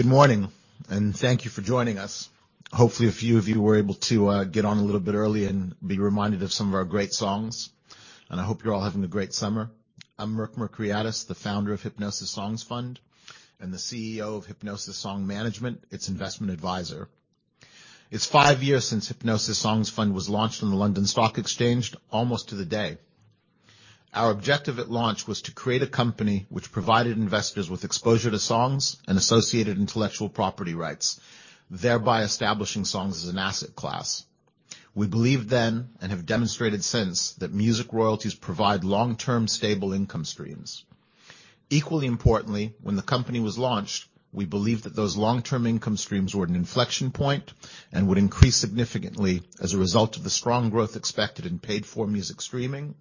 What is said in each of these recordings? Good morning. Thank you for joining us. Hopefully, a few of you were able to get on a little bit early and be reminded of some of our great songs, and I hope you're all having a great summer. I'm Merck Mercuriadis, the Founder of Hipgnosis Songs Fund and the CEO of Hipgnosis Song Management, its investment advisor. It's five years since Hipgnosis Songs Fund was launched on the London Stock Exchange, almost to the day. Our objective at launch was to create a company that provided investors with exposure to songs and associated intellectual property rights, thereby establishing songs as an asset class. We believed then and have demonstrated since, that music royalties provide long-term, stable income streams. Equally importantly, when the company was launched, we believed that those long-term income streams were at an inflection point and would increase significantly as a result of the strong growth expected in paid-for music streaming,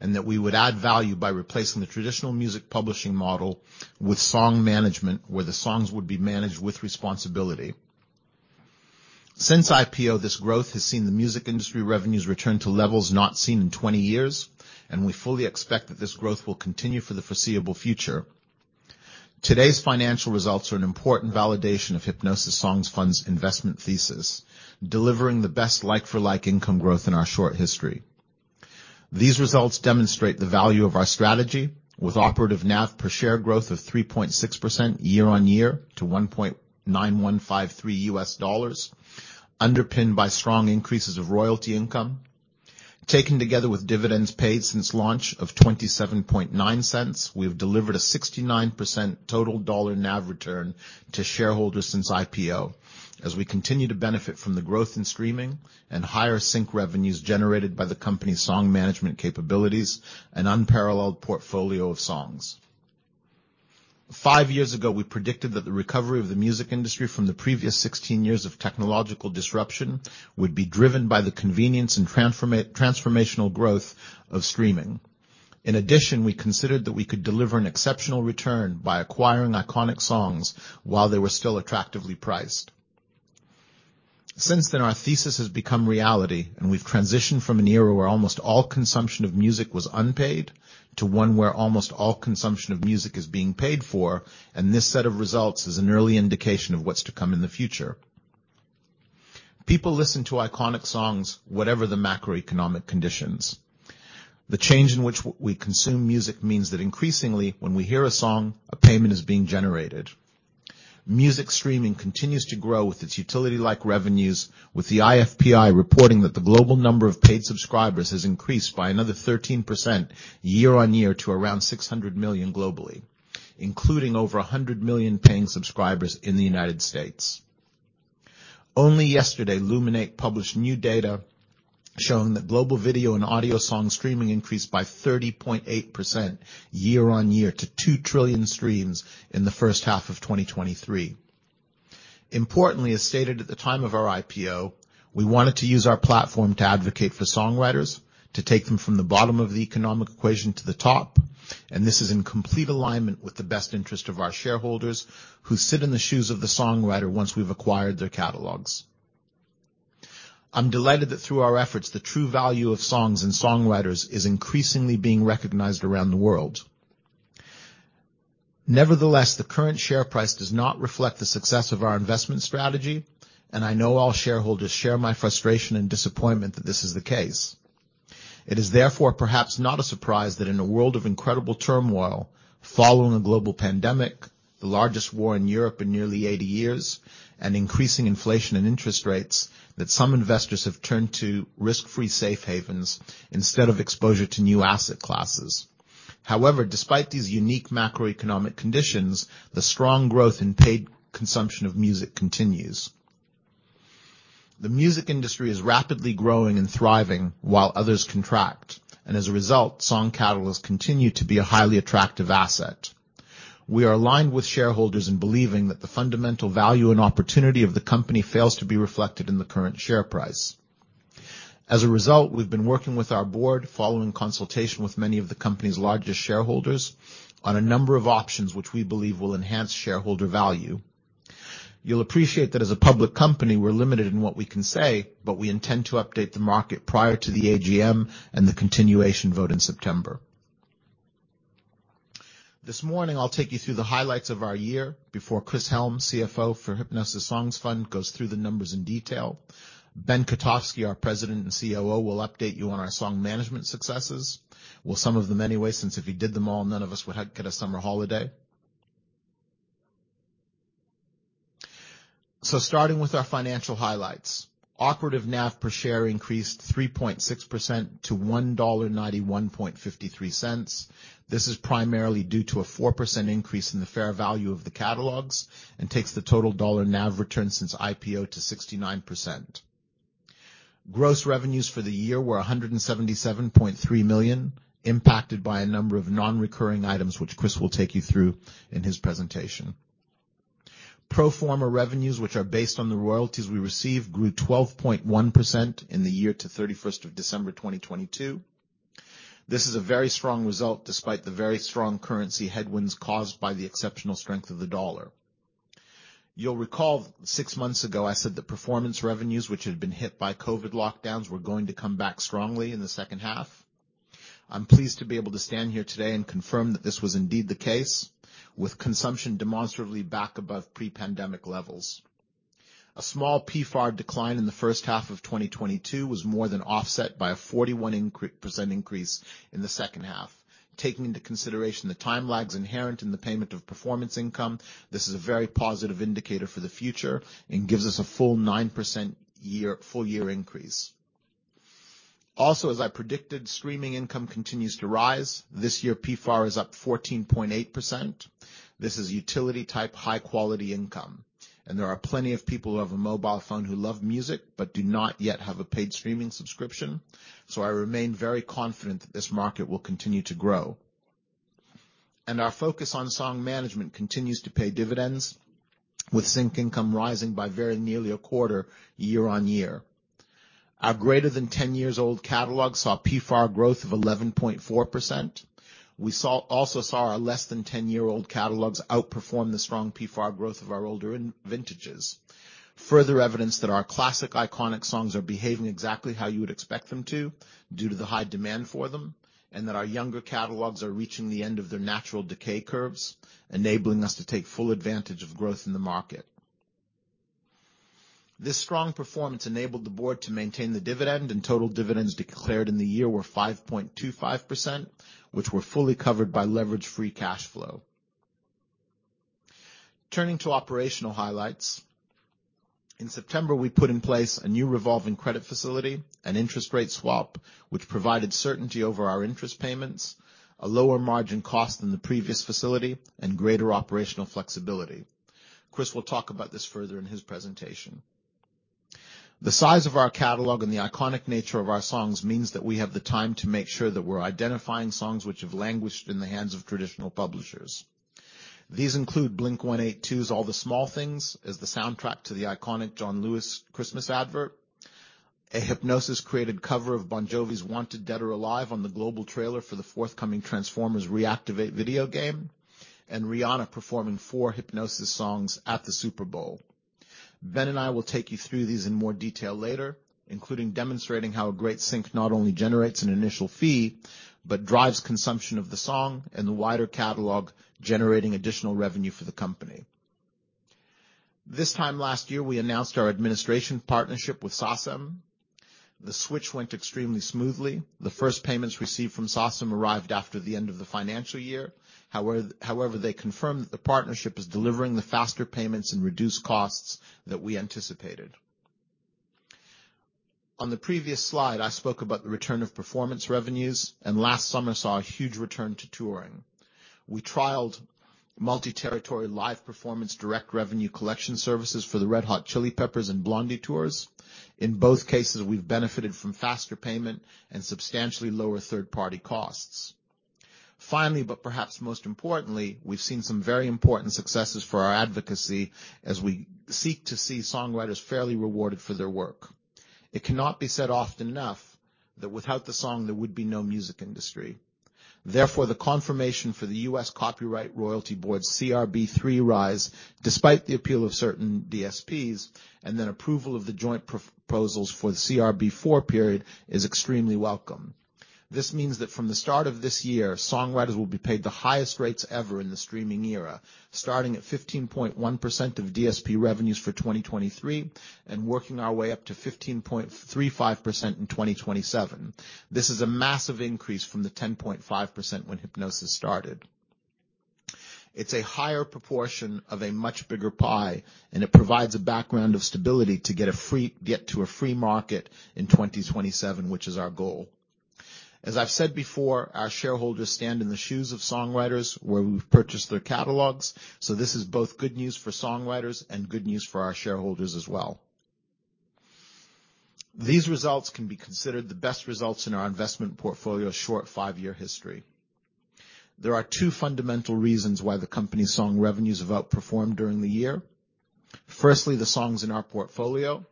and that we would add value by replacing the traditional music publishing model with song management, where the songs would be managed with responsibility. Since IPO, this growth has seen the music industry revenues return to levels not seen in 20 years, and we fully expect that this growth will continue for the foreseeable future. Today's financial results are an important validation of Hipgnosis Songs Fund's investment thesis, delivering the best like-for-like income growth in our short history. These results demonstrate the value of our strategy with operative NAV per share growth of 3.6% year-on-year to $1.9153, underpinned by strong increases of royalty income. Taken together with dividends paid since launch of $0.279, we have delivered a 69% total dollar NAV return to shareholders since IPO, as we continue to benefit from the growth in streaming and higher sync revenues generated by the company's song management capabilities and unparalleled portfolio of songs. Five years ago, we predicted that the recovery of the music industry from the previous 16 years of technological disruption would be driven by the convenience and transformational growth of streaming. We considered that we could deliver an exceptional return by acquiring iconic songs while they were still attractively priced. Since then, our thesis has become reality, we've transitioned from an era where almost all consumption of music was unpaid, to one where almost all consumption of music is being paid for, and this set of results is an early indication of what's to come in the future. People listen to iconic songs, whatever the macroeconomic conditions. The change in which we consume music means that increasingly, when we hear a song, a payment is being generated. Music streaming continues to grow with its utility-like revenues, with the IFPI reporting that the global number of paid subscribers has increased by another 13% year-on-year to around 600 million globally, including over 100 million paying subscribers in the United States. Only yesterday, Luminate published new data showing that global video and audio song streaming increased by 30.8% year on year to 2 trillion streams in the first half of 2023. Importantly, as stated at the time of our IPO, we wanted to use our platform to advocate for songwriters, to take them from the bottom of the economic equation to the top, and this is in complete alignment with the best interest of our shareholders, who sit in the shoes of the songwriter once we've acquired their catalogs. I'm delighted that through our efforts, the true value of songs and songwriters is increasingly being recognized around the world. Nevertheless, the current share price does not reflect the success of our investment strategy, and I know all shareholders share my frustration and disappointment that this is the case. It is, therefore, perhaps not a surprise that in a world of incredible turmoil, following a global pandemic, the largest war in Europe in nearly 80 years, and increasing inflation and interest rates, that some investors have turned to risk-free safe havens instead of exposure to new asset classes. However, despite these unique macroeconomic conditions, the strong growth in paid consumption of music continues. The music industry is rapidly growing and thriving while others contract, and as a result, song catalogs continue to be a highly attractive asset. We are aligned with shareholders in believing that the fundamental value and opportunity of the company fails to be reflected in the current share price. As a result, we've been working with our board, following consultation with many of the company's largest shareholders, on a number of options which we believe will enhance shareholder value. You'll appreciate that as a public company, we're limited in what we can say, but we intend to update the market prior to the AGM and the continuation vote in September. This morning, I'll take you through the highlights of our year before Chris Helm, CFO for Hipgnosis Songs Fund, goes through the numbers in detail. Ben Katovsky, our President and COO, will update you on our song management successes. Some of them anyway, since if he did them all, none of us would have get a summer holiday. Starting with our financial highlights. Operative NAV per share increased 3.6% to $1.9153. This is primarily due to a 4% increase in the fair value of the catalogs and takes the total dollar NAV return since IPO to 69%. Gross revenues for the year were $177.3 million, impacted by a number of non-recurring items, which Chris will take you through in his presentation. Pro forma revenues, which are based on the royalties we received, grew 12.1% in the year to 31st of December, 2022. This is a very strong result, despite the very strong currency headwinds caused by the exceptional strength of the dollar. You'll recall, 6 months ago, I said that performance revenues, which had been hit by COVID lockdowns, were going to come back strongly in the second half. I'm pleased to be able to stand here today and confirm that this was indeed the case, with consumption demonstratively back above pre-pandemic levels. A small PFAR decline in the first half of 2022 was more than offset by a 41% increase in the second half. Taking into consideration the time lags inherent in the payment of performance income, this is a very positive indicator for the future and gives us a full 9% full year increase. As I predicted, streaming income continues to rise. This year, PFAR is up 14.8%. This is utility-type, high-quality income, and there are plenty of people who have a mobile phone who love music, but do not yet have a paid streaming subscription, so I remain very confident that this market will continue to grow. Our focus on song management continues to pay dividends, with sync income rising by very nearly a quarter year-on-year. Our greater than 10 years old catalog saw PFAR growth of 11.4%. We also saw our less than 10-year-old catalogs outperform the strong PFAR growth of our older vintages. Further evidence that our classic iconic songs are behaving exactly how you would expect them to, due to the high demand for them, that our younger catalogs are reaching the end of their natural decay curves, enabling us to take full advantage of growth in the market. This strong performance enabled the board to maintain the dividend, total dividends declared in the year were 5.25%, which were fully covered by leverage free cash flow. Turning to operational highlights. In September, we put in place a new revolving credit facility, an interest rate swap, which provided certainty over our interest payments, a lower margin cost than the previous facility, and greater operational flexibility. Chris will talk about this further in his presentation. The size of our catalog and the iconic nature of our songs means that we have the time to make sure that we're identifying songs which have languished in the hands of traditional publishers. These include Blink-182's All the Small Things as the soundtrack to the iconic John Lewis Christmas advert, a Hipgnosis-created cover of Bon Jovi's Wanted Dead or Alive on the global trailer for the forthcoming Transformers: Reactivate video game, and Rihanna performing four Hipgnosis songs at the Super Bowl. Ben and I will take you through these in more detail later, including demonstrating how a great sync not only generates an initial fee, but drives consumption of the song and the wider catalog, generating additional revenue for the company. This time last year, we announced our administration partnership with SACEM. The switch went extremely smoothly. The first payments received from SACEM arrived after the end of the financial year. However, they confirmed that the partnership is delivering the faster payments and reduced costs that we anticipated. On the previous slide, I spoke about the return of performance revenues, and last summer saw a huge return to touring. We trialed multi-territory live performance direct revenue collection services for the Red Hot Chili Peppers and Blondie Tours. In both cases, we've benefited from faster payment and substantially lower third-party costs. Finally, but perhaps most importantly, we've seen some very important successes for our advocacy as we seek to see songwriters fairly rewarded for their work. It cannot be said often enough, that without the song, there would be no music industry. The confirmation for the US Copyright Royalty Board, CRB III rise, despite the appeal of certain DSPs, and approval of the joint proposals for the CRB IV period is extremely welcome. This means that from the start of this year, songwriters will be paid the highest rates ever in the streaming era, starting at 15.1% of DSP revenues for 2023, and working our way up to 15.35% in 2027. This is a massive increase from the 10.5% when Hipgnosis started. It's a higher proportion of a much bigger pie, and it provides a background of stability to get to a free market in 2027, which is our goal. As I've said before, our shareholders stand in the shoes of songwriters where we've purchased their catalogs, this is both good news for songwriters and good news for our shareholders as well. These results can be considered the best results in our investment portfolio's short five-year history. There are two fundamental reasons why the company's song revenues have outperformed during the year. Firstly, the songs in our portfolio.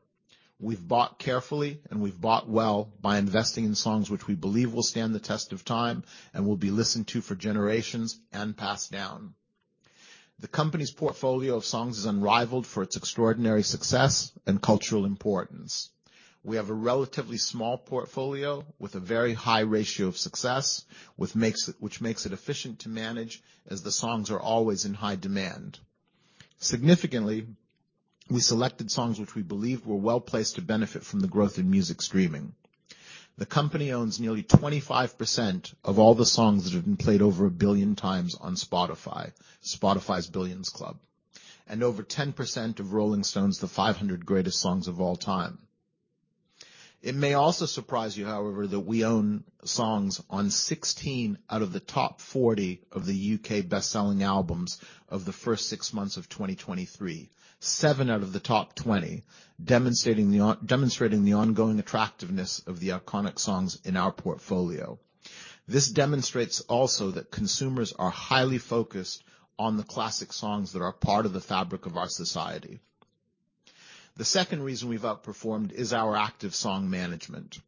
We've bought carefully and we've bought well by investing in songs which we believe will stand the test of time and will be listened to for generations and passed down. The company's portfolio of songs is unrivaled for its extraordinary success and cultural importance. We have a relatively small portfolio with a very high ratio of success, which makes it efficient to manage as the songs are always in high demand. Significantly, we selected songs which we believed were well placed to benefit from the growth in music streaming. The company owns nearly 25% of all the songs that have been played over 1 billion times on Spotify's Billions Club, and over 10% of Rolling Stone's The 500 Greatest Songs of All Time. It may also surprise you, however, that we own songs on 16 out of the top 40 of the UK best-selling albums of the first 6 months of 2023, 7 out of the top 20, demonstrating the ongoing attractiveness of the iconic songs in our portfolio. This demonstrates also that consumers are highly focused on the classic songs that are part of the fabric of our society. The second reason we've outperformed is our active song management.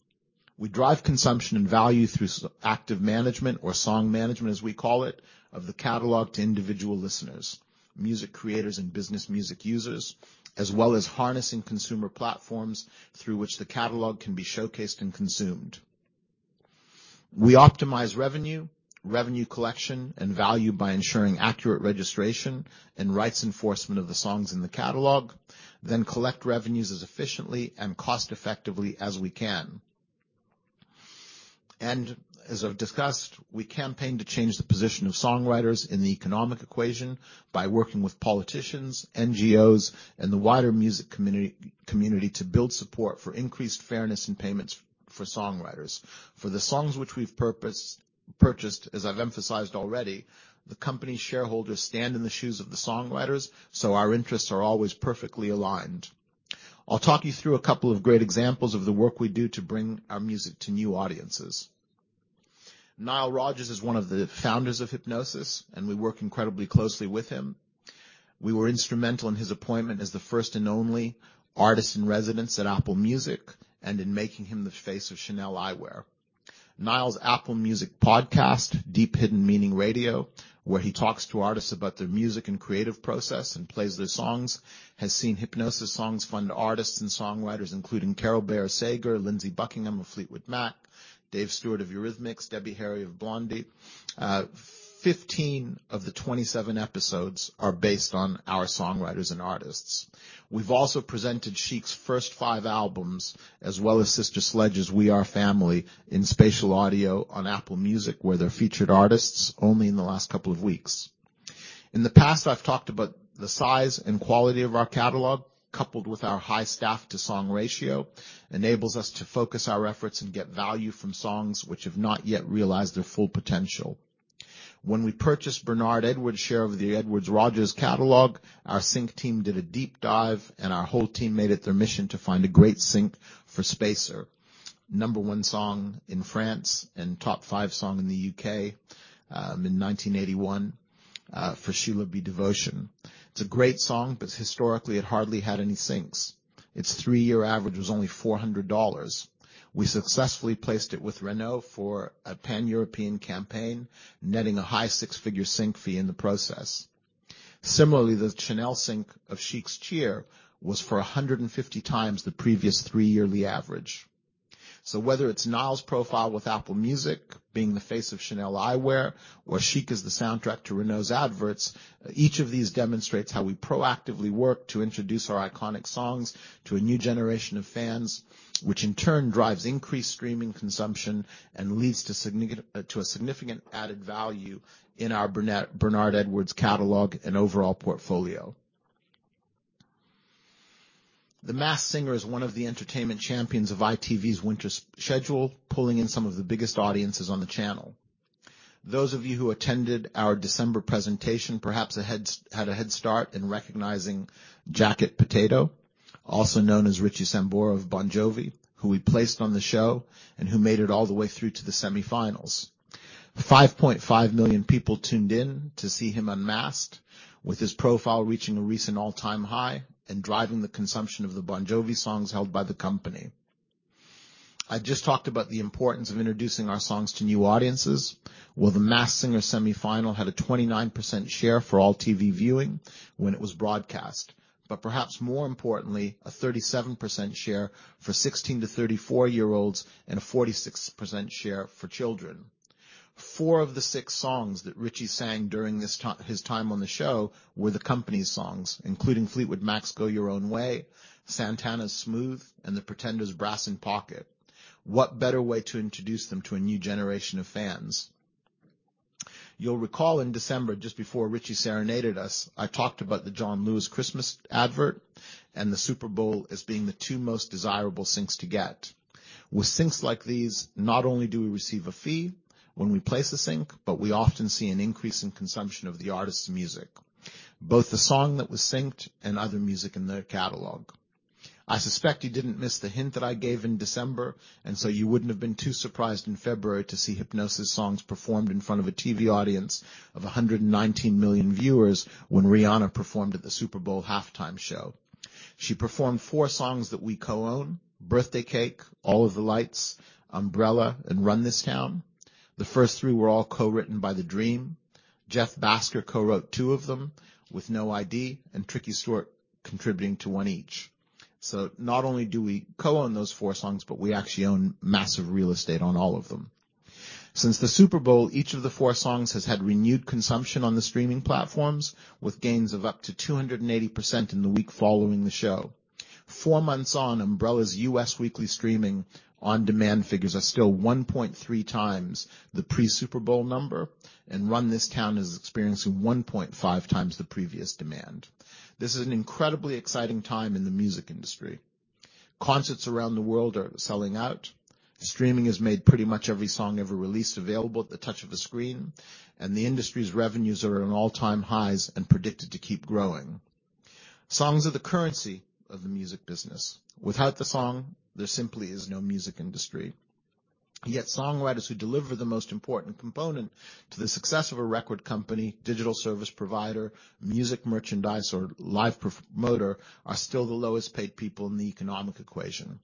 We drive consumption and value through active management or song management, as we call it, of the catalog to individual listeners, music creators and business music users, as well as harnessing consumer platforms through which the catalog can be showcased and consumed. We optimize revenue collection, and value by ensuring accurate registration and rights enforcement of the songs in the catalog, then collect revenues as efficiently and cost-effectively as we can. As I've discussed, we campaign to change the position of songwriters in the economic equation by working with politicians, NGOs, and the wider music community to build support for increased fairness in payments for songwriters. For the songs which we've purchased, as I've emphasized already, the company's shareholders stand in the shoes of the songwriters, so our interests are always perfectly aligned. I'll talk you through a couple of great examples of the work we do to bring our music to new audiences. Nile Rodgers is one of the founders of Hipgnosis, and we work incredibly closely with him. We were instrumental in his appointment as the first and only artist in residence at Apple Music, and in making him the face of CHANEL eyewear. Nile's Apple Music podcast, Deep Hidden Meaning Radio, where he talks to artists about their music and creative process and plays their songs, has seen Hipgnosis Songs Fund artists and songwriters, including Carole Bayer Sager, Lindsey Buckingham of Fleetwood Mac, Dave Stewart of Eurythmics, Debbie Harry of Blondie. 15 of the 27 episodes are based on our songwriters and artists. We've also presented Chic's first 5 albums, as well as Sister Sledge's We Are Family, in spatial audio on Apple Music, where they're featured artists only in the last couple of weeks. In the past, I've talked about the size and quality of our catalog, coupled with our high staff-to-song ratio, enables us to focus our efforts and get value from songs which have not yet realized their full potential. When we purchased Bernard Edwards' share of the Edwards/Rodgers catalog, our sync team did a deep dive, and our whole team made it their mission to find a great sync for Spacer, number 1 song in France and top 5 song in the UK, in 1981, for Sheila B. Devotion. Historically, it hardly had any syncs. Its 3-year average was only $400. We successfully placed it with Renault for a pan-European campaign, netting a high six-figure sync fee in the process. The Chanel sync of Chic's Cheer was for 150x the previous three yearly average. Whether it's Nile's profile with Apple Music being the face of Chanel eyewear or Chic as the soundtrack to Renault's adverts, each of these demonstrates how we proactively work to introduce our iconic songs to a new generation of fans, which in turn drives increased streaming consumption and leads to a significant added value in our Bernard Edwards catalog and overall portfolio. The Masked Singer is one of the entertainment champions of ITV's winter schedule, pulling in some of the biggest audiences on the channel. Those of you who attended our December presentation perhaps had a head start in recognizing Jacket Potato, also known as Richie Sambora of Bon Jovi, who we placed on the show and who made it all the way through to the semifinals. 5.5 million people tuned in to see him unmasked, with his profile reaching a recent all-time high and driving the consumption of the Bon Jovi songs held by the company. I've just talked about the importance of introducing our songs to new audiences, well The Masked Singer semifinal had a 29% share for all TV viewing when it was broadcast, but perhaps more importantly, a 37% share for 16-34 year olds and a 46% share for children. Four of the six songs that Richie Sambora sang during his time on the show were the company's songs, including Fleetwood Mac's Go Your Own Way, Santana's Smooth, and The Pretenders' Brass in Pocket. What better way to introduce them to a new generation of fans? You'll recall in December, just before Richie Sambora serenaded us, I talked about the John Lewis Christmas advert and the Super Bowl as being the two most desirable syncs to get. With syncs like these, not only do we receive a fee when we place a sync, but we often see an increase in consumption of the artist's music, both the song that was synced and other music in their catalog. I suspect you didn't miss the hint that I gave in December, you wouldn't have been too surprised in February to see Hipgnosis songs performed in front of a TV audience of 119 million viewers when Rihanna performed at the Super Bowl halftime show. She performed four songs that we co-own: Birthday Cake, All of the Lights, Umbrella, and Run This Town. The first three were all co-written by The-Dream. Jeff Bhasker co-wrote two of them with No I.D. and Tricky Stewart contributing to one each. Not only do we co-own those four songs, but we actually own massive real estate on all of them. Since the Super Bowl, each of the four songs has had renewed consumption on the streaming platforms, with gains of up to 280% in the week following the show. Four months on, Umbrella's U.S. weekly streaming on demand figures are still 1.3x the pre-Super Bowl number, and Run This Town is experiencing 1.5x the previous demand. This is an incredibly exciting time in the music industry. Concerts around the world are selling out. Streaming has made pretty much every song ever released available at the touch of a screen, and the industry's revenues are at an all-time highs and predicted to keep growing. Songs are the currency of the music business. Without the song, there simply is no music industry. Yet songwriters who deliver the most important component to the success of a record company, digital service provider, music merchandise, or live promoter, are still the lowest-paid people in the economic equation.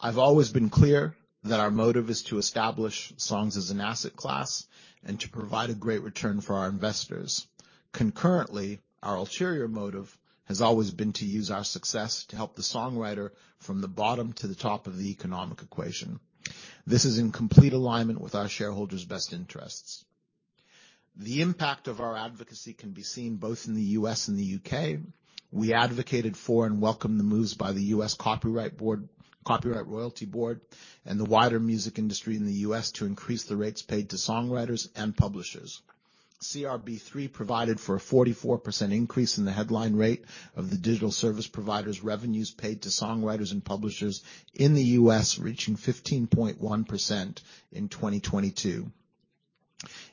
I've always been clear that our motive is to establish songs as an asset class and to provide a great return for our investors. Concurrently, our ulterior motive has always been to use our success to help the songwriter from the bottom to the top of the economic equation. This is in complete alignment with our shareholders' best interests. The impact of our advocacy can be seen both in the US and the UK. We advocated for and welcomed the moves by the US Copyright Board, Copyright Royalty Board, and the wider music industry in the US to increase the rates paid to songwriters and publishers. CRB III provided for a 44% increase in the headline rate of the digital service providers' revenues paid to songwriters and publishers in the US, reaching 15.1% in 2022.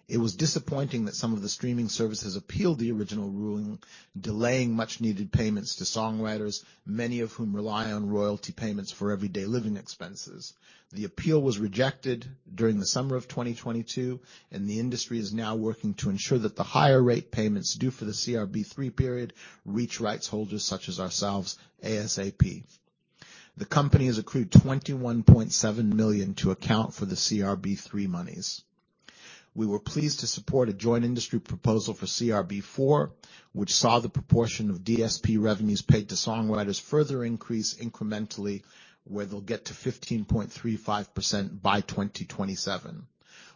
It was disappointing that some of the streaming services appealed the original ruling, delaying much-needed payments to songwriters, many of whom rely on royalty payments for everyday living expenses. The appeal was rejected during the summer of 2022, the industry is now working to ensure that the higher rate payments due for the CRB III period reach rights holders such as ourselves, ASAP. The company has accrued $21.7 million to account for the CRB III monies. We were pleased to support a joint industry proposal for CRB IV, which saw the proportion of DSP revenues paid to songwriters further increase incrementally, where they'll get to 15.35% by 2027.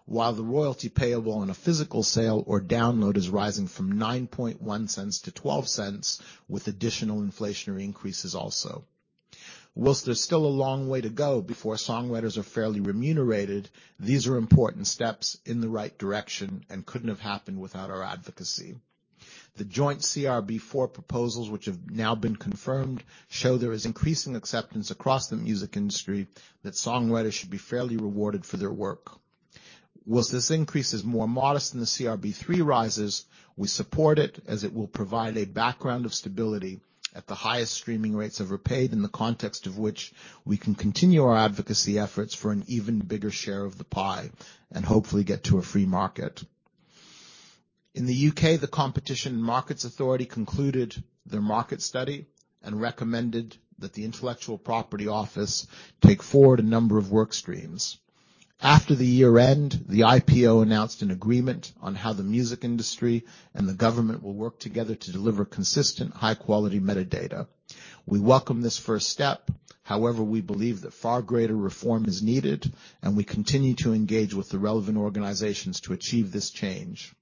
While the royalty payable on a physical sale or download is rising from $0.091 to $0.12, with additional inflationary increases also. While there's still a long way to go before songwriters are fairly remunerated, these are important steps in the right direction and couldn't have happened without our advocacy. The joint CRB IV proposals, which have now been confirmed, show there is increasing acceptance across the music industry that songwriters should be fairly rewarded for their work. While this increase is more modest than the CRB III rises, we support it as it will provide a background of stability at the highest streaming rates ever paid, in the context of which we can continue our advocacy efforts for an even bigger share of the pie and hopefully get to a free market. In the U.K., the Competition and Markets Authority concluded their market study and recommended that the Intellectual Property Office take forward a number of work streams. After the year-end, the IPO announced an agreement on how the music industry and the government will work together to deliver consistent, high-quality metadata. We welcome this first step. However, we believe that far greater reform is needed, and we continue to engage with the relevant organizations to achieve this change.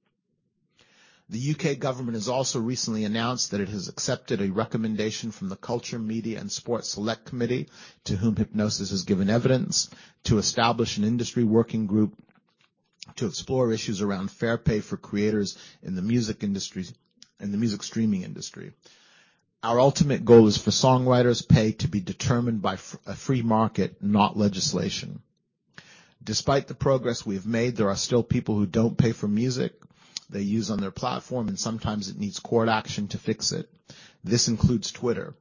The UK government has also recently announced that it has accepted a recommendation from the Culture, Media and Sport Select Committee, to whom Hipgnosis has given evidence, to establish an industry working group to explore issues around fair pay for creators in the music streaming industry. Our ultimate goal is for songwriters' pay to be determined by a free market, not legislation. Despite the progress we have made, there are still people who don't pay for music they use on their platform, and sometimes it needs court action to fix it. This includes Twitter.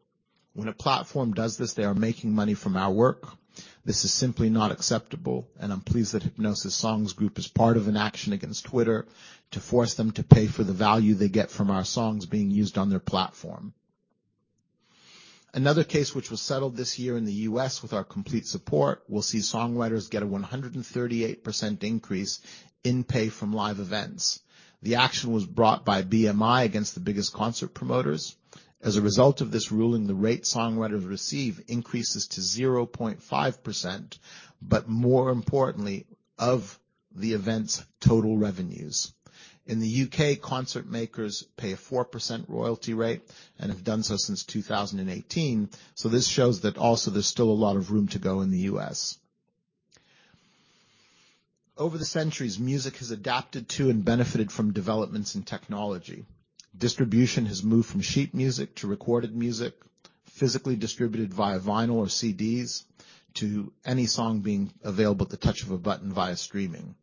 When a platform does this, they are making money from our work. This is simply not acceptable, and I'm pleased that Hipgnosis Songs Group is part of an action against Twitter to force them to pay for the value they get from our songs being used on their platform. Another case, which was settled this year in the U.S. with our complete support, will see songwriters get a 138% increase in pay from live events. The action was brought by BMI against the biggest concert promoters. As a result of this ruling, the rate songwriters receive increases to 0.5%, but more importantly, of the event's total revenues. In the U.K., concert makers pay a 4% royalty rate and have done so since 2018. This shows that also there's still a lot of room to go in the U.S.. Over the centuries, music has adapted to and benefited from developments in technology. Distribution has moved from sheet music to recorded music, physically distributed via vinyl or CDs, to any song being available at the touch of a button via streaming.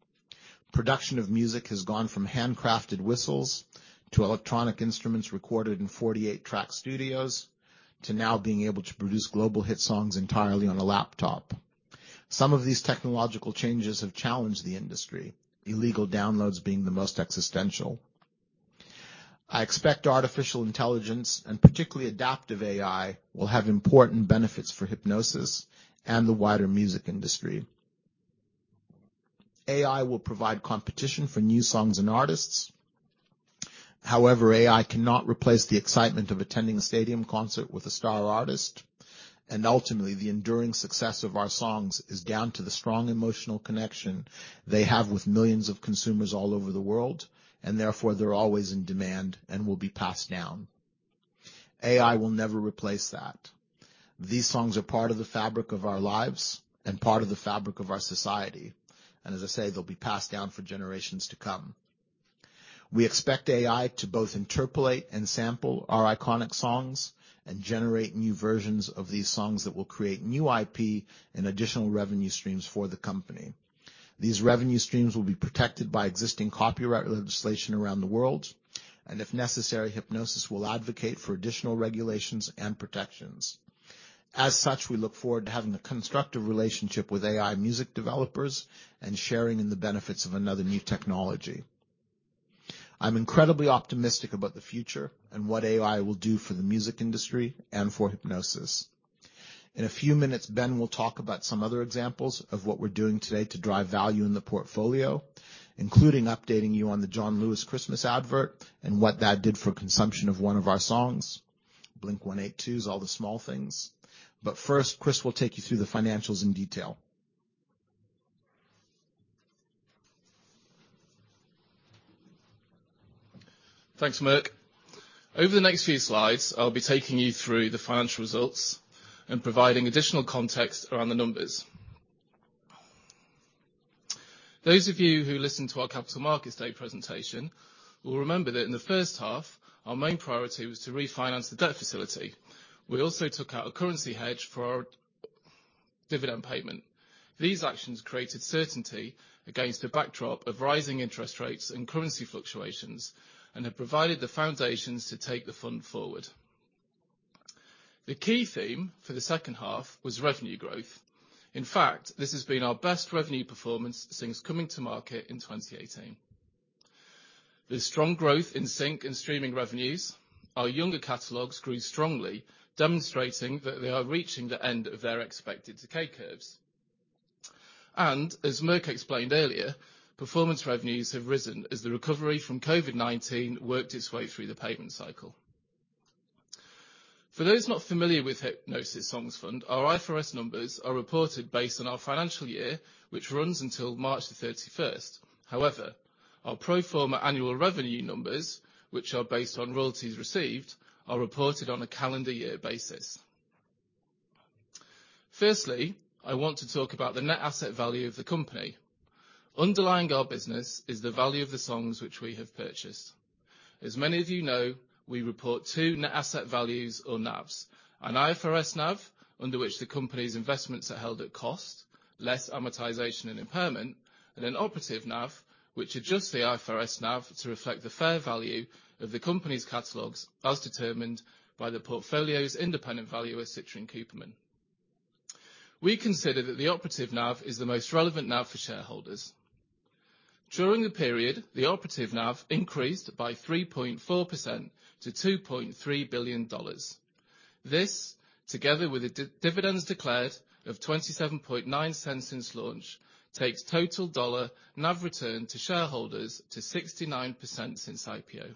Production of music has gone from handcrafted whistles to electronic instruments recorded in 48 track studios, to now being able to produce global hit songs entirely on a laptop. Some of these technological changes have challenged the industry, illegal downloads being the most existential. I expect artificial intelligence, and particularly adaptive AI, will have important benefits for Hipgnosis and the wider music industry. AI will provide competition for new songs and artists. AI cannot replace the excitement of attending a stadium concert with a star artist, and ultimately, the enduring success of our songs is down to the strong emotional connection they have with millions of consumers all over the world, and therefore, they're always in demand and will be passed down. AI will never replace that. These songs are part of the fabric of our lives and part of the fabric of our society. As I say, they'll be passed down for generations to come. We expect AI to both interpolate and sample our iconic songs and generate new versions of these songs that will create new IP and additional revenue streams for the company. These revenue streams will be protected by existing copyright legislation around the world. If necessary, Hipgnosis will advocate for additional regulations and protections. As such, we look forward to having a constructive relationship with AI music developers and sharing in the benefits of another new technology. I'm incredibly optimistic about the future and what AI will do for the music industry and for Hipgnosis. In a few minutes, Ben will talk about some other examples of what we're doing today to drive value in the portfolio, including updating you on the John Lewis Christmas advert and what that did for consumption of one of our songs, Blink-182's All the Small Things. First, Chris will take you through the financials in detail. Thanks, Merck. Over the next few slides, I'll be taking you through the financial results and providing additional context around the numbers. Those of you who listened to our Capital Markets Day presentation will remember that in the first half, our main priority was to refinance the debt facility. We also took out a currency hedge for our dividend payment. These actions created certainty against a backdrop of rising interest rates and currency fluctuations, and have provided the foundations to take the fund forward. The key theme for the second half was revenue growth. In fact, this has been our best revenue performance since coming to market in 2018. The strong growth in sync and streaming revenues, our younger catalogs grew strongly, demonstrating that they are reaching the end of their expected decay curves. As Merck explained earlier, performance revenues have risen as the recovery from COVID-19 worked its way through the payment cycle. For those not familiar with Hipgnosis Songs Fund, our IFRS numbers are reported based on our financial year, which runs until March 31st. However, our pro forma annual revenue numbers, which are based on royalties received, are reported on a calendar year basis. Firstly, I want to talk about the net asset value of the company. Underlying our business is the value of the songs which we have purchased. As many of you know, we report two net asset values or NAVs, an IFRS NAV, under which the company's investments are held at cost, less amortization and impairment, and an operative NAV, which adjusts the IFRS NAV to reflect the fair value of the company's catalogs, as determined by the portfolio's independent valuer, Citrin Cooperman. We consider that the operative NAV is the most relevant NAV for shareholders. During the period, the operative NAV increased by 3.4% to $2.3 billion. This, together with the dividends declared of $0.279 since launch, takes total dollar NAV return to shareholders to 69% since IPO.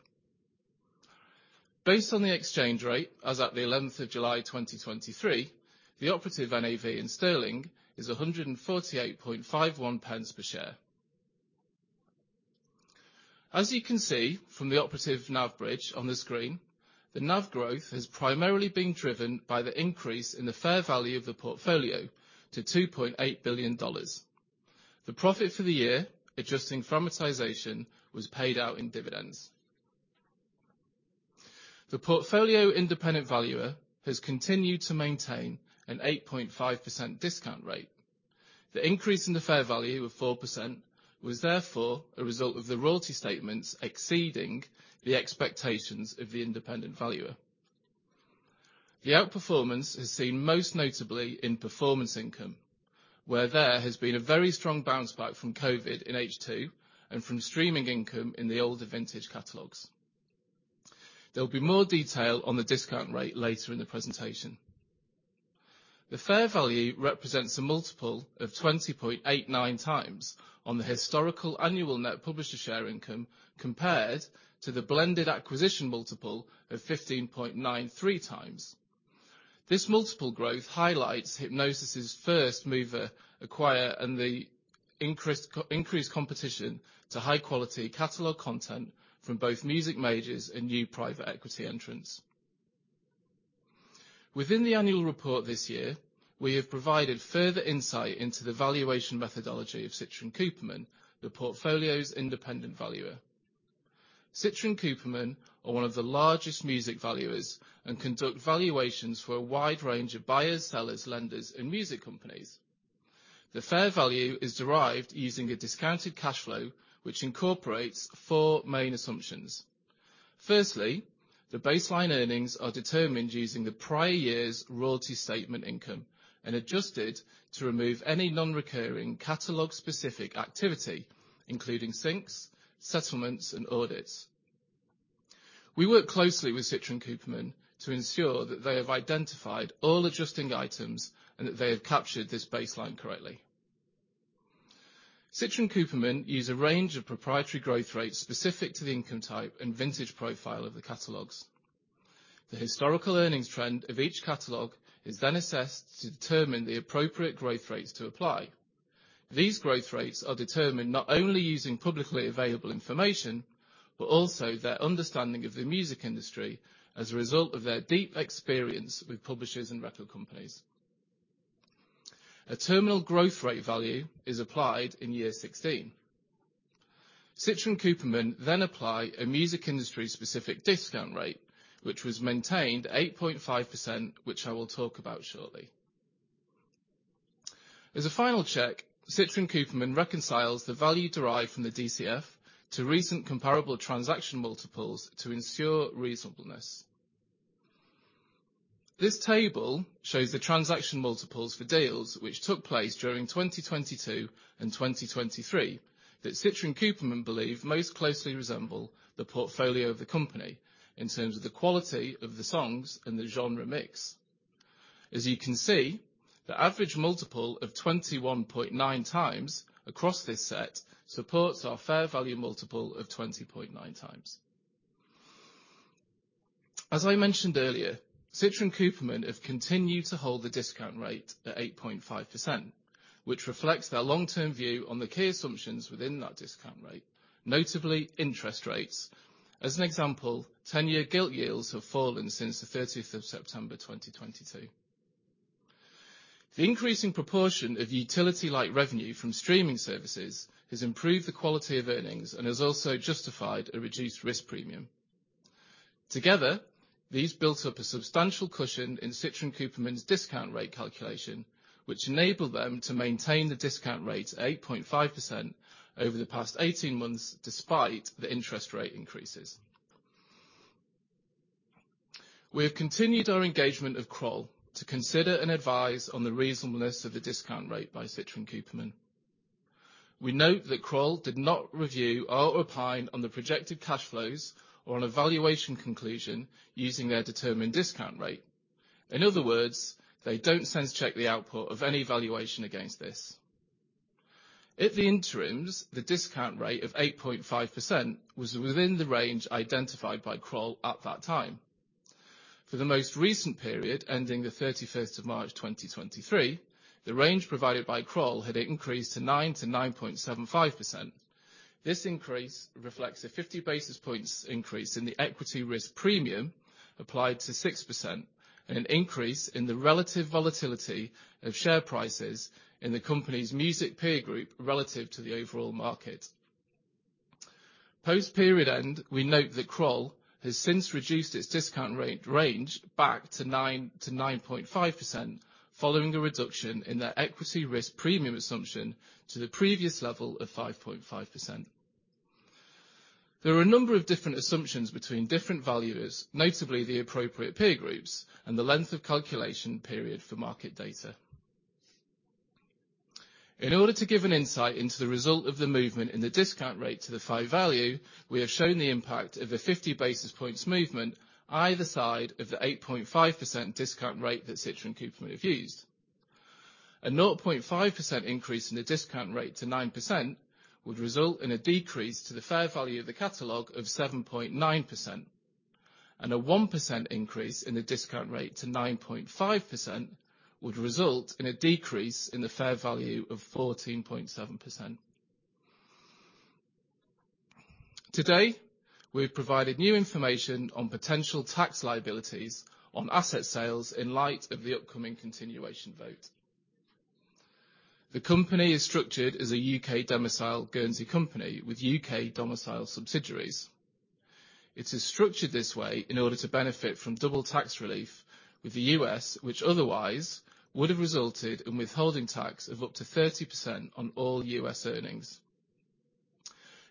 Based on the exchange rate as at the 11th of July, 2023, the operative NAV in sterling is 1.4851 per share. As you can see from the operative NAV bridge on the screen, the NAV growth has primarily been driven by the increase in the fair value of the portfolio to $2.8 billion. The profit for the year, adjusting from amortization, was paid out in dividends. The portfolio independent valuer has continued to maintain an 8.5% discount rate. The increase in the fair value of 4% was therefore a result of the royalty statements exceeding the expectations of the independent valuer. The outperformance is seen most notably in performance income, where there has been a very strong bounce back from COVID in H2 and from streaming income in the older vintage catalogs. There will be more detail on the discount rate later in the presentation. The fair value represents a multiple of 20.89x on the historical annual net publisher share income, compared to the blended acquisition multiple of 15.93x. This multiple growth highlights Hipgnosis' first mover acquire and the increased competition to high quality catalog content from both music majors and new private equity entrants. Within the annual report this year, we have provided further insight into the valuation methodology of Citrin Cooperman, the portfolio's independent valuer. Citrin Cooperman are one of the largest music valuers and conduct valuations for a wide range of buyers, sellers, lenders, and music companies. The fair value is derived using a discounted cash flow, which incorporates four main assumptions. Firstly, the baseline earnings are determined using the prior year's royalty statement income and adjusted to remove any non-recurring catalog-specific activity, including syncs, settlements, and audits. We work closely with Citrin Cooperman to ensure that they have identified all adjusting items and that they have captured this baseline correctly. Citrin Cooperman use a range of proprietary growth rates specific to the income type and vintage profile of the catalogs. The historical earnings trend of each catalog is then assessed to determine the appropriate growth rates to apply. These growth rates are determined not only using publicly available information, but also their understanding of the music industry as a result of their deep experience with publishers and record companies. A terminal growth rate value is applied in year 16. Citrin Cooperman apply a music industry specific discount rate, which was maintained 8.5%, which I will talk about shortly. As a final check, Citrin Cooperman reconciles the value derived from the DCF to recent comparable transaction multiples to ensure reasonableness. This table shows the transaction multiples for deals which took place during 2022 and 2023, that Citrin Cooperman believe most closely resemble the portfolio of the company in terms of the quality of the songs and the genre mix. As you can see, the average multiple of 21.9x across this set supports our fair value multiple of 20.9x. As I mentioned earlier, Citrin Cooperman have continued to hold the discount rate at 8.5%, which reflects their long-term view on the key assumptions within that discount rate, notably interest rates. As an example, 10-year gilt yields have fallen since the 30th of September, 2022. The increasing proportion of utility-like revenue from streaming services has improved the quality of earnings and has also justified a reduced risk premium. Together, these built up a substantial cushion in Citrin Cooperman's discount rate calculation, which enabled them to maintain the discount rate at 8.5% over the past 18 months, despite the interest rate increases. We have continued our engagement of Kroll to consider and advise on the reasonableness of the discount rate by Citrin Cooperman. We note that Kroll did not review or opine on the projected cash flows or on a valuation conclusion using their determined discount rate. In other words, they don't sense check the output of any valuation against this. At the interims, the discount rate of 8.5% was within the range identified by Kroll at that time. For the most recent period, ending the 31st of March, 2023, the range provided by Kroll had increased to 9%-9.75%. This increase reflects a 50 basis points increase in the equity risk premium applied to 6%, and an increase in the relative volatility of share prices in the company's music peer group, relative to the overall market. Post-period end, we note that Kroll has since reduced its discount rate range back to 9-9.5%, following a reduction in their equity risk premium assumption to the previous level of 5.5%. There are a number of different assumptions between different valuers, notably the appropriate peer groups and the length of calculation period for market data. In order to give an insight into the result of the movement in the discount rate to the five value, we have shown the impact of a 50 basis points movement either side of the 8.5% discount rate that Citrin Cooperman have used. A 0.5% increase in the discount rate to 9% would result in a decrease to the fair value of the catalog of 7.9%, and a 1% increase in the discount rate to 9.5% would result in a decrease in the fair value of 14.7%. Today, we've provided new information on potential tax liabilities on asset sales in light of the upcoming continuation vote. The company is structured as a U.K. domicile Guernsey company with U.K. domicile subsidiaries. It is structured this way in order to benefit from double tax relief with the U.S., which otherwise would have resulted in withholding tax of up to 30% on all U.S. earnings.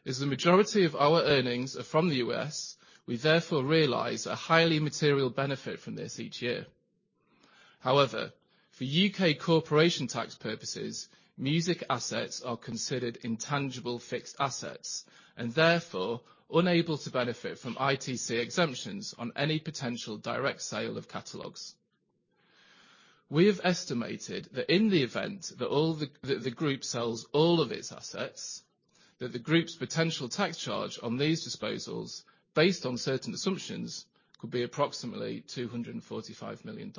The majority of our earnings are from the U.S., we therefore realize a highly material benefit from this each year. For U.K. corporation tax purposes, music assets are considered intangible fixed assets, and therefore unable to benefit from ITC exemptions on any potential direct sale of catalogs. We have estimated that in the event that the group sells all of its assets, that the group's potential tax charge on these disposals, based on certain assumptions, could be approximately $245 million.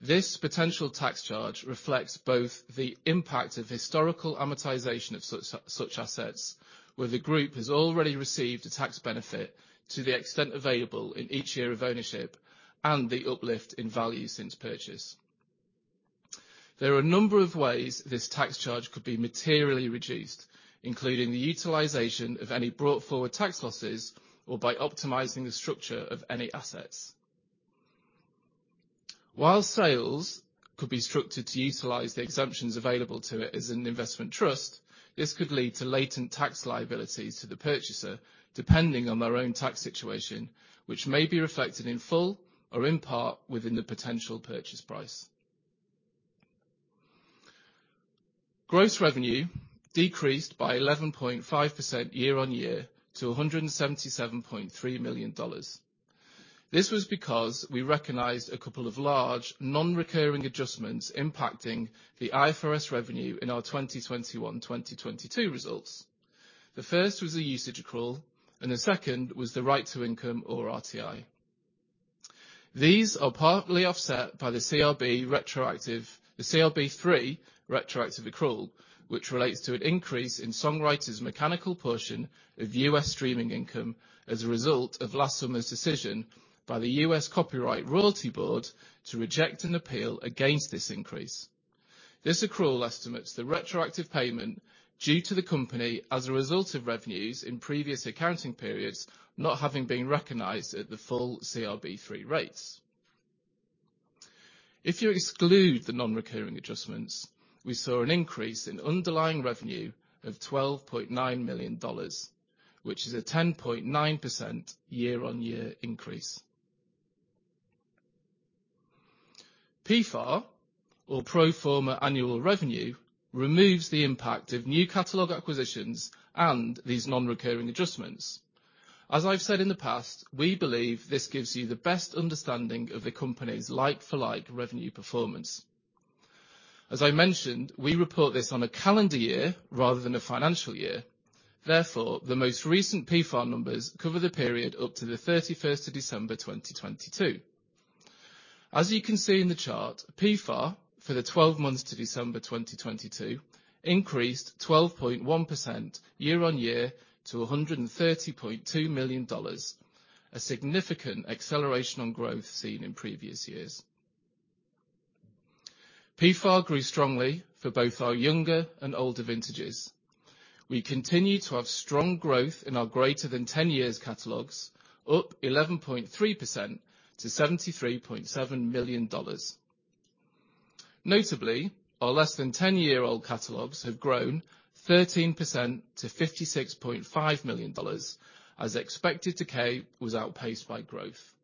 This potential tax charge reflects both the impact of historical amortization of such assets, where the group has already received a tax benefit to the extent available in each year of ownership, and the uplift in value since purchase. There are a number of ways this tax charge could be materially reduced, including the utilization of any brought forward tax losses or by optimizing the structure of any assets. While sales could be structured to utilize the exemptions available to it as an investment trust, this could lead to latent tax liabilities to the purchaser, depending on their own tax situation, which may be reflected in full or in part within the potential purchase price. Gross revenue decreased by 11.5% year-on-year to $177.3 million. This was because we recognized a couple of large, non-recurring adjustments impacting the IFRS revenue in our 2021, 2022 results. The first was a usage accrual, and the second was the right to income, or RTI. These are partly offset by the CRB retroactive, the CRB III retroactive accrual, which relates to an increase in songwriter's mechanical portion of U.S. streaming income as a result of last summer's decision by the U.S. Copyright Royalty Board to reject an appeal against this increase. This accrual estimates the retroactive payment due to the company as a result of revenues in previous accounting periods, not having been recognized at the full CRB III rates. If you exclude the non-recurring adjustments, we saw an increase in underlying revenue of $12.9 million, which is a 10.9% year-on-year increase. PFAR, or pro forma annual revenue, removes the impact of new catalog acquisitions and these non-recurring adjustments. As I've said in the past, we believe this gives you the best understanding of the company's like-for-like revenue performance. As I mentioned, we report this on a calendar year rather than a financial year, therefore, the most recent PFAR numbers cover the period up to the 31st of December, 2022. As you can see in the chart, PFAR for the 12 months to December 2022, increased 12.1% year-on-year to $130.2 million, a significant acceleration on growth seen in previous years. PFAR grew strongly for both our younger and older vintages. We continue to have strong growth in our greater than 10 years catalogs, up 11.3% to $73.7 million. Notably, our less than 10-year-old catalogs have grown 13% to $56.5 million, as expected decay was outpaced by growth.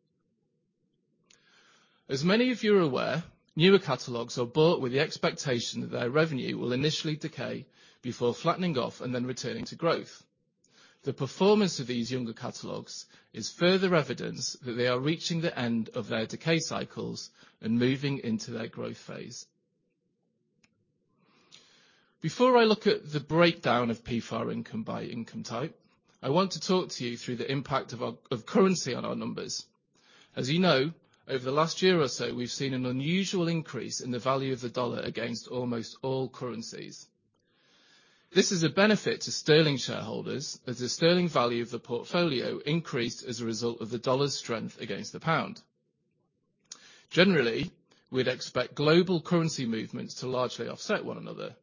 As many of you are aware, newer catalogs are bought with the expectation that their revenue will initially decay before flattening off and then returning to growth. The performance of these younger catalogs is further evidence that they are reaching the end of their decay cycles and moving into their growth phase. Before I look at the breakdown of PFAR income by income type, I want to talk to you through the impact of currency on our numbers. Over the last year or so, we've seen an unusual increase in the value of the dollar against almost all currencies. This is a benefit to sterling shareholders, as the sterling value of the portfolio increased as a result of the dollar's strength against the pound. Generally, we'd expect global currency movements to largely offset one another.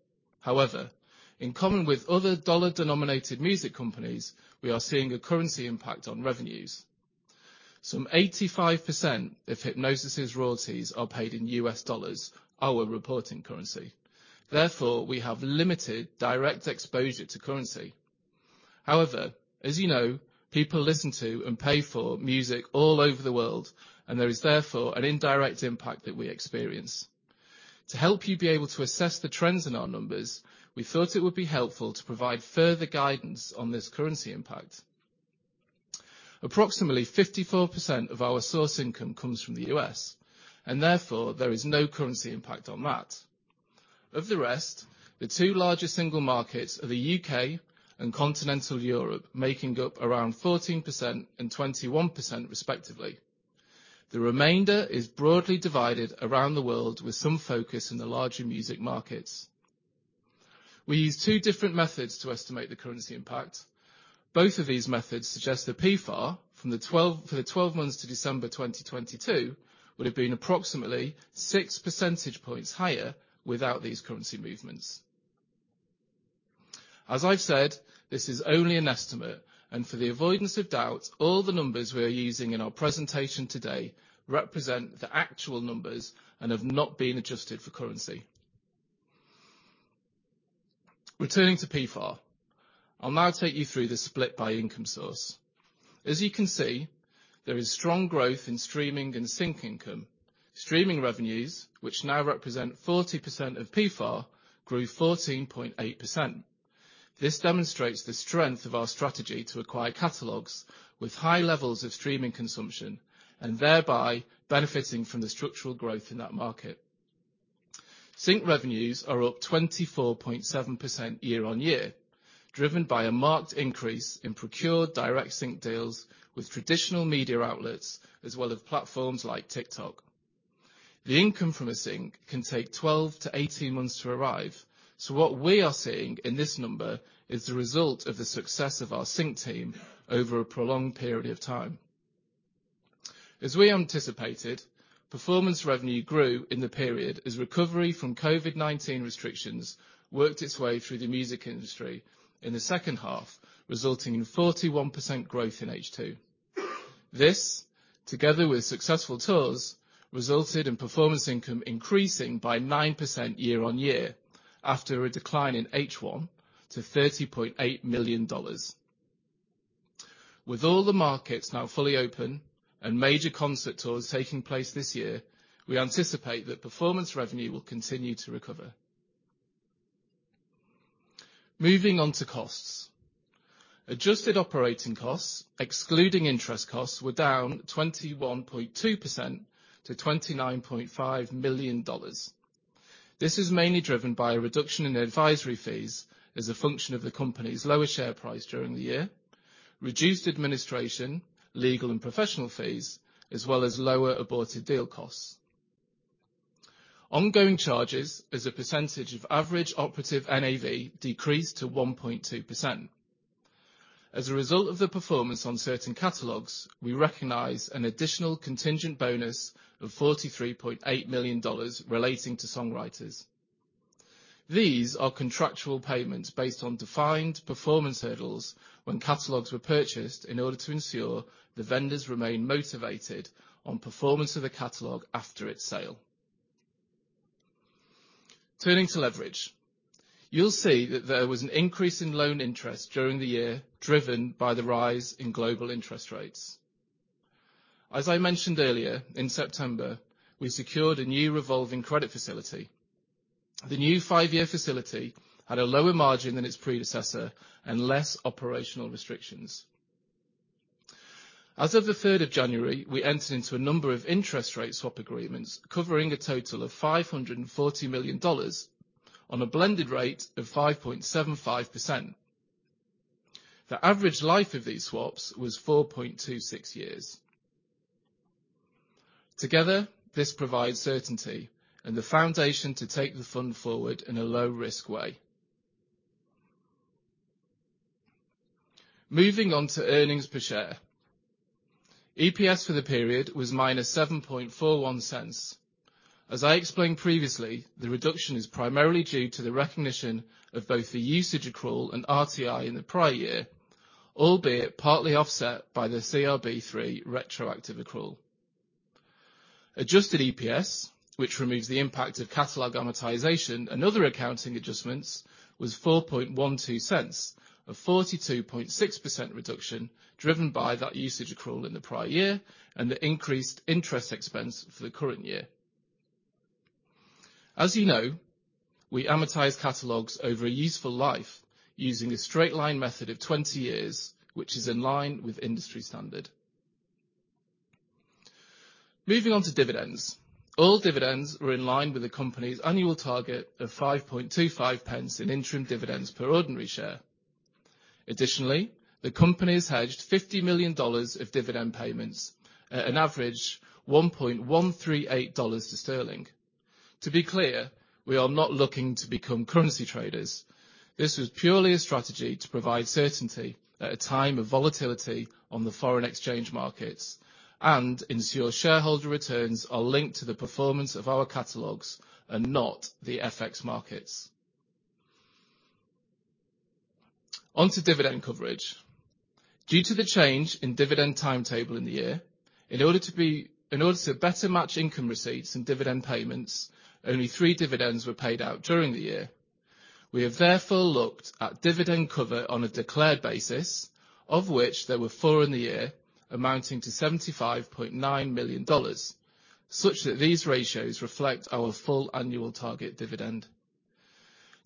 In common with other dollar-denominated music companies, we are seeing a currency impact on revenues. Some 85% of Hipgnosis' royalties are paid in US dollars, our reporting currency, therefore, we have limited direct exposure to currency. As you know, people listen to and pay for music all over the world, and there is therefore an indirect impact that we experience. To help you be able to assess the trends in our numbers, we thought it would be helpful to provide further guidance on this currency impact. Approximately 54% of our source income comes from the US, and therefore there is no currency impact on that. Of the rest, the two largest single markets are the UK and continental Europe, making up around 14% and 21%, respectively. The remainder is broadly divided around the world, with some focus in the larger music markets. We use two different methods to estimate the currency impact. Both of these methods suggest that PFAR for the 12 months to December 2022 would have been approximately 6 percentage points higher without these currency movements. As I've said, this is only an estimate, and for the avoidance of doubt, all the numbers we are using in our presentation today represent the actual numbers and have not been adjusted for currency. Returning to PFAR, I'll now take you through the split by income source. As you can see, there is strong growth in streaming and sync income. Streaming revenues, which now represent 40% of PFAR, grew 14.8%. This demonstrates the strength of our strategy to acquire catalogs with high levels of streaming consumption, and thereby benefiting from the structural growth in that market. Sync revenues are up 24.7% year-on-year, driven by a marked increase in procured direct sync deals with traditional media outlets, as well as platforms like TikTok. The income from a sync can take 12-18 months to arrive. What we are seeing in this number is the result of the success of our sync team over a prolonged period of time. As we anticipated, performance revenue grew in the period as recovery from COVID-19 restrictions worked its way through the music industry in the second half, resulting in 41% growth in H2. This, together with successful tours, resulted in performance income increasing by 9% year-on-year, after a decline in H1 to $30.8 million. With all the markets now fully open and major concert tours taking place this year, we anticipate that performance revenue will continue to recover. Moving on to costs. Adjusted operating costs, excluding interest costs, were down 21.2% to $29.5 million. This is mainly driven by a reduction in the advisory fees as a function of the company's lower share price during the year, reduced administration, legal and professional fees, as well as lower aborted deal costs. Ongoing charges as a percentage of average operative NAV decreased to 1.2%. As a result of the performance on certain catalogs, we recognize an additional contingent bonus of $43.8 million relating to songwriters. These are contractual payments based on defined performance hurdles when catalogs were purchased, in order to ensure the vendors remain motivated on performance of the catalog after its sale. Turning to leverage. You'll see that there was an increase in loan interest during the year, driven by the rise in global interest rates. As I mentioned earlier, in September, we secured a new revolving credit facility. The new 5-year facility had a lower margin than its predecessor and less operational restrictions. As of January 3rd, we entered into a number of interest rate swap agreements, covering a total of $540 million on a blended rate of 5.75%. The average life of these swaps was 4.26 years. This provides certainty and the foundation to take the fund forward in a low-risk way. Moving on to earnings per share. EPS for the period was -$0.0741. As I explained previously, the reduction is primarily due to the recognition of both the usage accrual and RTI in the prior year, albeit partly offset by the CRB III retroactive accrual. Adjusted EPS, which removes the impact of catalog amortization and other accounting adjustments, was $0.0412, a 42.6% reduction, driven by that usage accrual in the prior year and the increased interest expense for the current year. As you know, we amortize catalogs over a useful life using a straight line method of 20 years, which is in line with industry standard. Moving on to dividends. All dividends were in line with the company's annual target of 5.25 in interim dividends per ordinary share. The company's hedged $50 million of dividend payments at an average $1.138 to sterling. To be clear, we are not looking to become currency traders. This was purely a strategy to provide certainty at a time of volatility on the foreign exchange markets and ensure shareholder returns are linked to the performance of our catalogs and not the FX markets. On to dividend coverage. Due to the change in dividend timetable in the year, in order to better match income receipts and dividend payments, only three dividends were paid out during the year. We have therefore looked at dividend cover on a declared basis, of which there were four in the year, amounting to $75.9 million, such that these ratios reflect our full annual target dividend.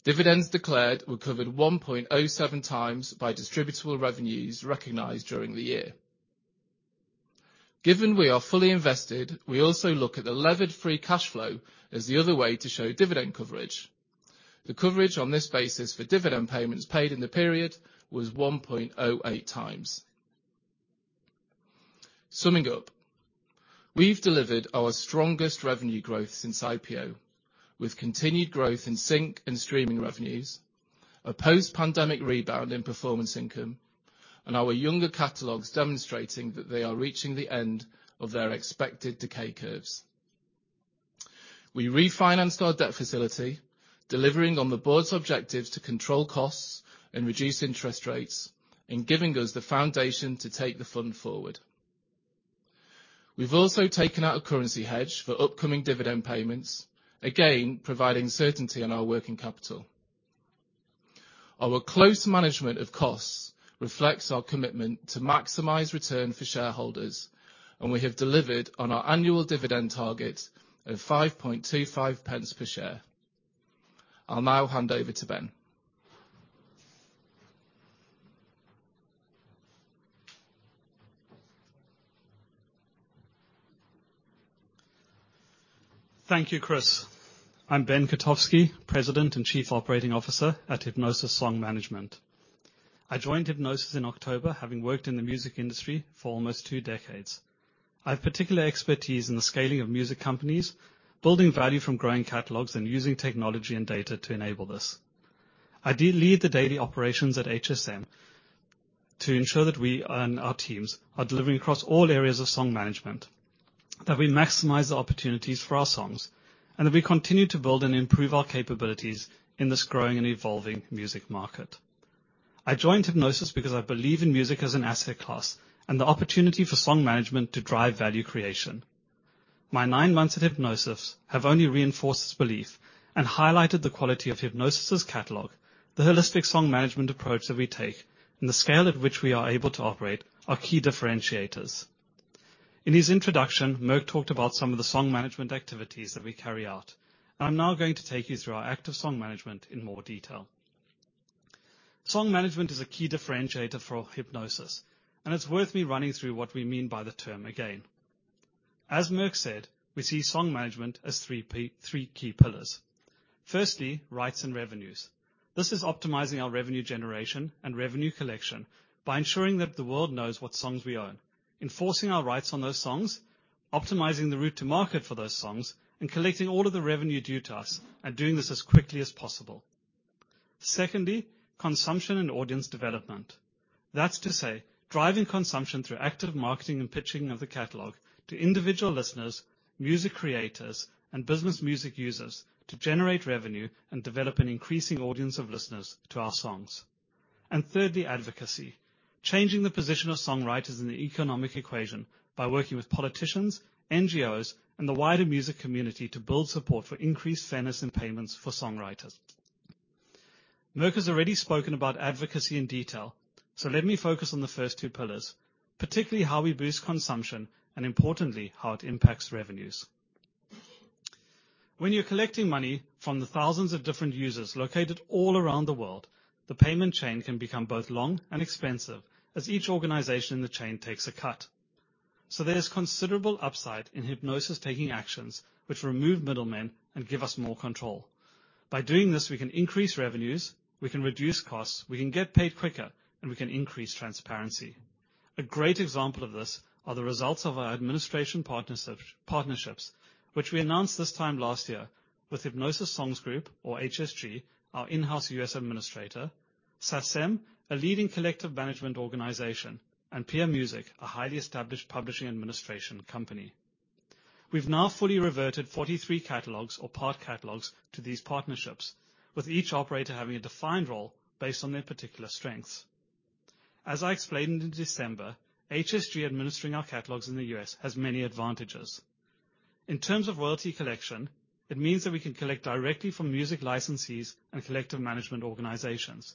Dividends declared were covered 1.07x by distributable revenues recognized during the year. Given we are fully invested, we also look at the levered free cash flow as the other way to show dividend coverage. The coverage on this basis for dividend payments paid in the period was 1.08x. Summing up, we've delivered our strongest revenue growth since IPO, with continued growth in sync and streaming revenues, a post-pandemic rebound in performance income, and our younger catalogs demonstrating that they are reaching the end of their expected decay curves. We refinanced our debt facility, delivering on the board's objectives to control costs and reduce interest rates, giving us the foundation to take the fund forward. We've also taken out a currency hedge for upcoming dividend payments, again, providing certainty on our working capital. Our close management of costs reflects our commitment to maximize return for shareholders, and we have delivered on our annual dividend target of 5.25 pence per share. I'll now hand over to Ben. Thank you, Chris. I'm Ben Katovsky, President and Chief Operating Officer at Hipgnosis Song Management. I joined Hipgnosis in October, having worked in the music industry for almost 2 decades. I have particular expertise in the scaling of music companies, building value from growing catalogs, and using technology and data to enable this. I do lead the daily operations at HSM to ensure that we and our teams are delivering across all areas of song management, that we maximize the opportunities for our songs, and that we continue to build and improve our capabilities in this growing and evolving music market. I joined Hipgnosis because I believe in music as an asset class and the opportunity for song management to drive value creation. My nine months at Hipgnosis have only reinforced this belief and highlighted the quality of Hipgnosis' catalog, the holistic song management approach that we take, and the scale at which we are able to operate are key differentiators. In his introduction, Merck talked about some of the song management activities that we carry out. I'm now going to take you through our active song management in more detail. Song management is a key differentiator for Hipgnosis, and it's worth me running through what we mean by the term again. As Merck said, we see song management as three key pillars. Firstly, rights and revenues. This is optimizing our revenue generation and revenue collection by ensuring that the world knows what songs we own, enforcing our rights on those songs, optimizing the route to market for those songs, and collecting all of the revenue due to us, and doing this as quickly as possible. Secondly, consumption and audience development. That's to say, driving consumption through active marketing and pitching of the catalog to individual listeners, music creators, and business music users to generate revenue and develop an increasing audience of listeners to our songs. Thirdly, advocacy. Changing the position of songwriters in the economic equation by working with politicians, NGOs, and the wider music community to build support for increased fairness in payments for songwriters. Merck has already spoken about advocacy in detail, so let me focus on the first two pillars, particularly how we boost consumption and importantly, how it impacts revenues. When you're collecting money from the thousands of different users located all around the world, the payment chain can become both long and expensive, as each organization in the chain takes a cut. There is considerable upside in Hipgnosis taking actions which remove middlemen and give us more control. By doing this, we can increase revenues, we can reduce costs, we can get paid quicker, and we can increase transparency. A great example of this are the results of our administration partnerships, which we announced this time last year with Hipgnosis Songs Group, or HSG, our in-house US administrator, SACEM, a leading collective management organization, and peermusic, a highly established publishing administration company. We've now fully reverted 43 catalogs or part catalogs to these partnerships, with each operator having a defined role based on their particular strengths. As I explained in December, HSG administering our catalogs in the US has many advantages. In terms of royalty collection, it means that we can collect directly from music licensees and collective management organizations.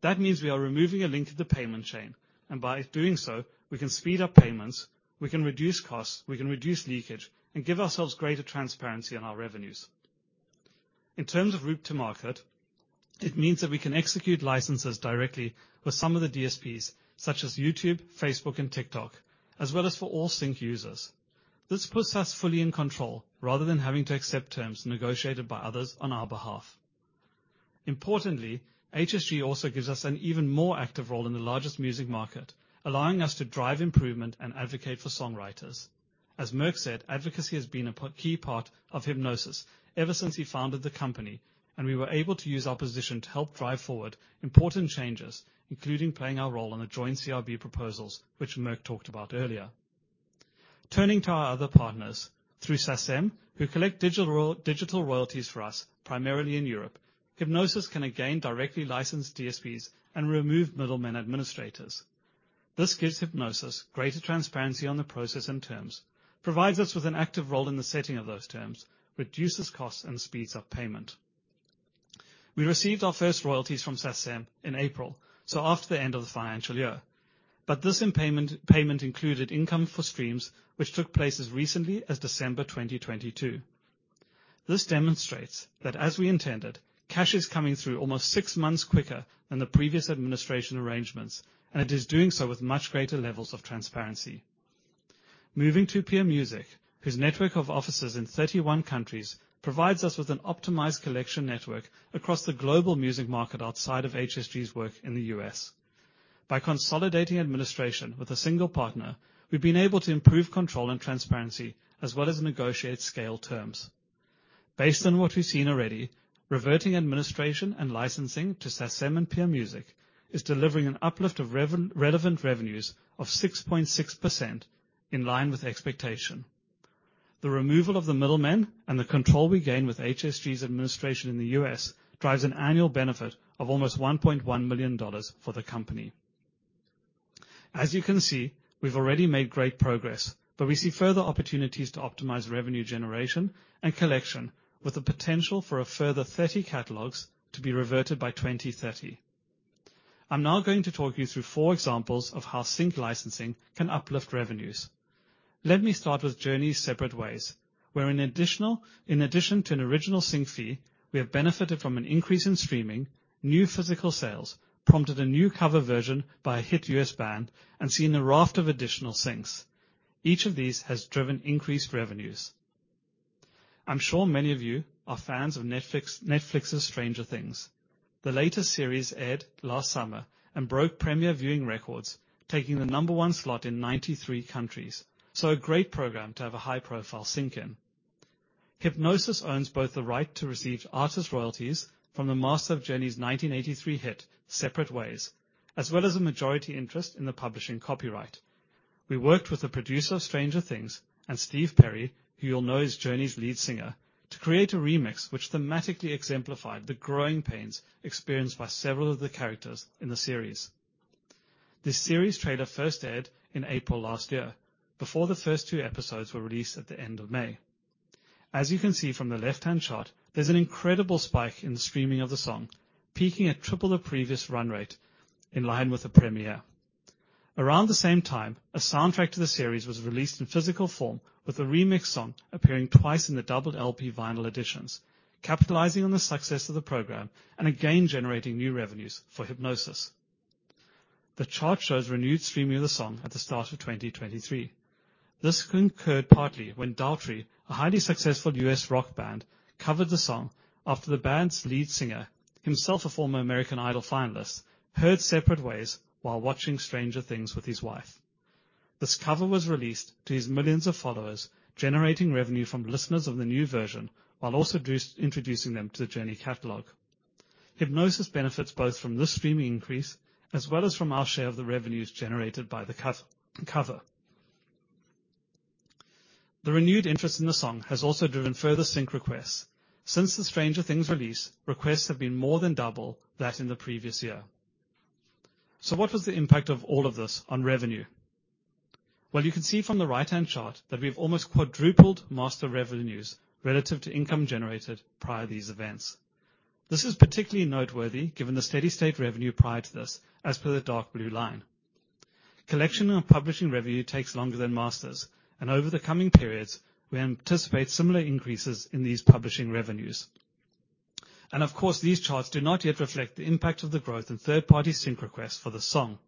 That means we are removing a link to the payment chain, and by doing so, we can speed up payments, we can reduce costs, we can reduce leakage, and give ourselves greater transparency on our revenues. In terms of route to market, it means that we can execute licenses directly with some of the DSPs, such as YouTube, Facebook, and TikTok, as well as for all sync users. This puts us fully in control rather than having to accept terms negotiated by others on our behalf. Importantly, HSG also gives us an even more active role in the largest music market, allowing us to drive improvement and advocate for songwriters. As Merck said, advocacy has been a part, key part of Hipgnosis ever since he founded the company, and we were able to use our position to help drive forward important changes, including playing our role on the Joint CRB proposals, which Merck talked about earlier. Turning to our other partners, through SACEM, who collect digital royalties for us, primarily in Europe, Hipgnosis can again directly license DSPs and remove middlemen administrators. This gives Hipgnosis greater transparency on the process and terms, provides us with an active role in the setting of those terms, reduces costs, and speeds up payment. We received our first royalties from SACEM in April, so after the end of the financial year, but this payment included income for streams, which took place as recently as December 2022. This demonstrates that, as we intended, cash is coming through almost six months quicker than the previous administration arrangements. It is doing so with much greater levels of transparency. Moving to peermusic, whose network of offices in 31 countries provides us with an optimized collection network across the global music market outside of HSG's work in the U.S. By consolidating administration with a single partner, we've been able to improve control and transparency, as well as negotiate scale terms. Based on what we've seen already, reverting administration and licensing to SACEM and peermusic is delivering an uplift of relevant revenues of 6.6% in line with expectation. The removal of the middlemen and the control we gain with HSG's administration in the U.S. drives an annual benefit of almost $1.1 million for the company. As you can see, we've already made great progress, but we see further opportunities to optimize revenue generation and collection, with the potential for a further 30 catalogs to be reverted by 2030. I'm now going to talk you through four examples of how sync licensing can uplift revenues. Let me start with Journey's Separate Ways, where in addition to an original sync fee, we have benefited from an increase in streaming, new physical sales, prompted a new cover version by a hit U.S. band, and seen a raft of additional syncs. Each of these has driven increased revenues. I'm sure many of you are fans of Netflix's Stranger Things. The latest series aired last summer and broke premiere viewing records, taking the number 1 slot in 93 countries. A great program to have a high-profile sync in. Hipgnosis owns both the right to receive artist royalties from the master of Journey's 1983 hit, Separate Ways, as well as a majority interest in the publishing copyright. We worked with the producer of Stranger Things and Steve Perry, who you'll know is Journey's lead singer, to create a remix which thematically exemplified the growing pains experienced by several of the characters in the series. This series trailer first aired in April last year, before the first two episodes were released at the end of May. As you can see from the left-hand chart, there's an incredible spike in the streaming of the song, peaking at 3x the previous run rate in line with the premiere. Around the same time, a soundtrack to the series was released in physical form, with the remix song appearing twice in the double LP vinyl editions, capitalizing on the success of the program and again, generating new revenues for Hipgnosis. The chart shows renewed streaming of the song at the start of 2023. This concurred partly when Daughtry, a highly successful U.S. rock band, covered the song after the band's lead singer, himself a former American Idol finalist, heard Separate Ways while watching Stranger Things with his wife. This cover was released to his millions of followers, generating revenue from listeners of the new version while also introducing them to the Journey catalog. Hipgnosis benefits both from this streaming increase as well as from our share of the revenues generated by the cover. The renewed interest in the song has also driven further sync requests. Since the Stranger Things release, requests have been more than double that in the previous year. What was the impact of all of this on revenue? Well, you can see from the right-hand chart that we've almost quadrupled master revenues relative to income generated prior to these events. This is particularly noteworthy given the steady state revenue prior to this, as per the dark blue line. Collection and publishing revenue takes longer than masters, and over the coming periods, we anticipate similar increases in these publishing revenues. Of course, these charts do not yet reflect the impact of the growth in third-party sync requests for the song.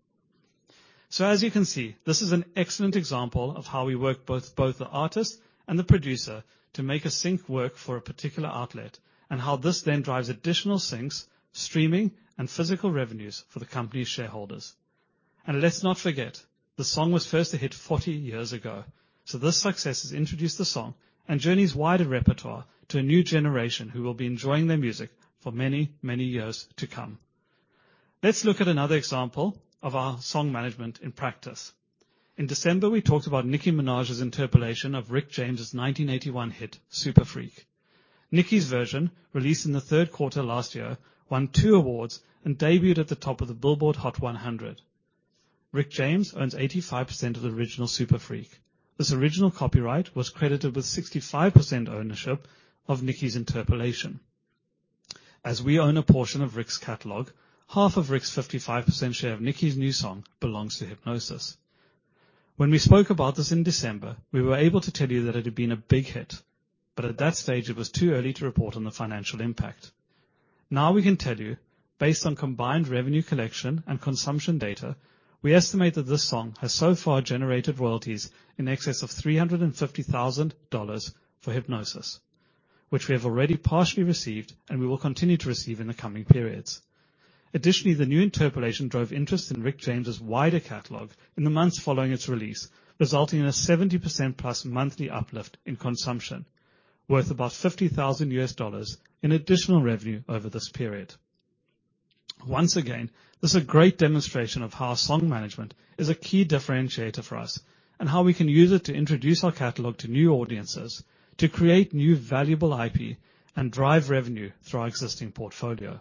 As you can see, this is an excellent example of how we work both the artist and the producer to make a sync work for a particular outlet, and how this then drives additional syncs, streaming, and physical revenues for the company's shareholders. Let's not forget, the song was first a hit 40 years ago, so this success has introduced the song and Journey's wider repertoire to a new generation who will be enjoying their music for many, many years to come. Let's look at another example of our song management in practice. In December, we talked about Nicki Minaj's interpolation of Rick James' 1981 hit, Super Freak. Nicki's version, released in the third quarter last year, won 2 awards and debuted at the top of the Billboard Hot 100. Rick James owns 85% of the original Super Freak. This original copyright was credited with 65% ownership of Nicki's interpolation. We own a portion of Rick's catalog, half of Rick's 55% share of Nicki's new song belongs to Hipgnosis. We spoke about this in December, we were able to tell you that it had been a big hit, but at that stage, it was too early to report on the financial impact. We can tell you, based on combined revenue collection and consumption data, we estimate that this song has so far generated royalties in excess of $350,000 for Hipgnosis, which we have already partially received, and we will continue to receive in the coming periods. Additionally, the new interpolation drove interest in Rick James's wider catalog in the months following its release, resulting in a 70%+ monthly uplift in consumption, worth about $50,000 in additional revenue over this period. Once again, this is a great demonstration of how song management is a key differentiator for us and how we can use it to introduce our catalog to new audiences, to create new, valuable IP, and drive revenue through our existing portfolio.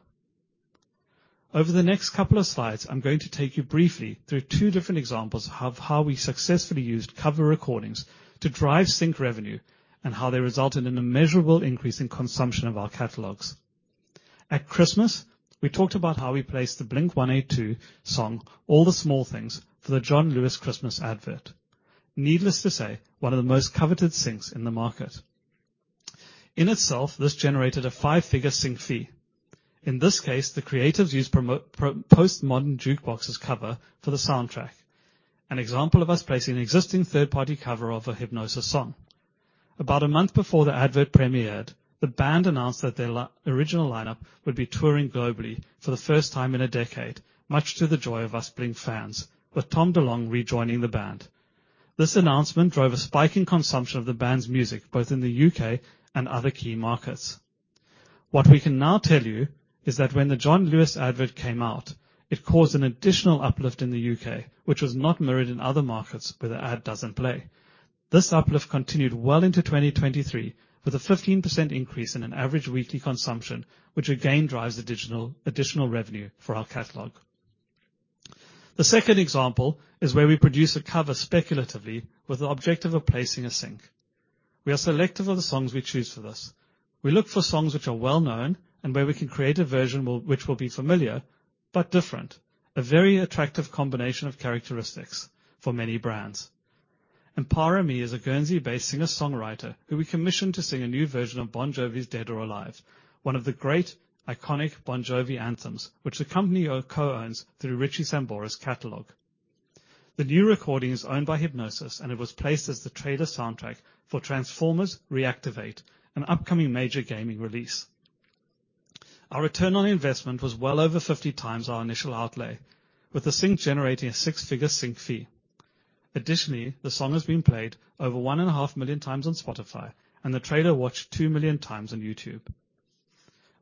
Over the next couple of slides, I'm going to take you briefly through two different examples of how we successfully used cover recordings to drive sync revenue and how they resulted in a measurable increase in consumption of our catalogs. At Christmas, we talked about how we placed the Blink-182 song, All the Small Things, for the John Lewis Christmas advert. Needless to say, one of the most coveted syncs in the market. In itself, this generated a 5-figure sync fee. In this case, the creatives used Postmodern Jukebox's cover for the soundtrack, an example of us placing an existing third-party cover of a Hipgnosis song. About a month before the advert premiered, the band announced that their original lineup would be touring globally for the first time in a decade, much to the joy of us Blink fans, with Tom DeLonge rejoining the band. This announcement drove a spike in consumption of the band's music, both in the UK and other key markets. What we can now tell you is that when the John Lewis advert came out, it caused an additional uplift in the UK, which was not mirrored in other markets where the ad doesn't play. This uplift continued well into 2023, with a 15% increase in an average weekly consumption, which again, drives additional revenue for our catalog. The second example is where we produce a cover speculatively with the objective of placing a sync. We are selective of the songs we choose for this. We look for songs which are well-known and where we can create a version which will be familiar but different, a very attractive combination of characteristics for many brands. Empara Mi is a Guernsey-based singer-songwriter who we commissioned to sing a new version of Bon Jovi's Dead or Alive, one of the great iconic Bon Jovi anthems, which the company co-owns through Richie Sambora's catalog. The new recording is owned by Hipgnosis, it was placed as the trailer soundtrack for Transformers: Reactivate, an upcoming major gaming release. Our return on investment was well over 50x our initial outlay, with the sync generating a six-figure sync fee. Additionally, the song has been played over 1.5 million times on Spotify, and the trailer watched 2 million times on YouTube.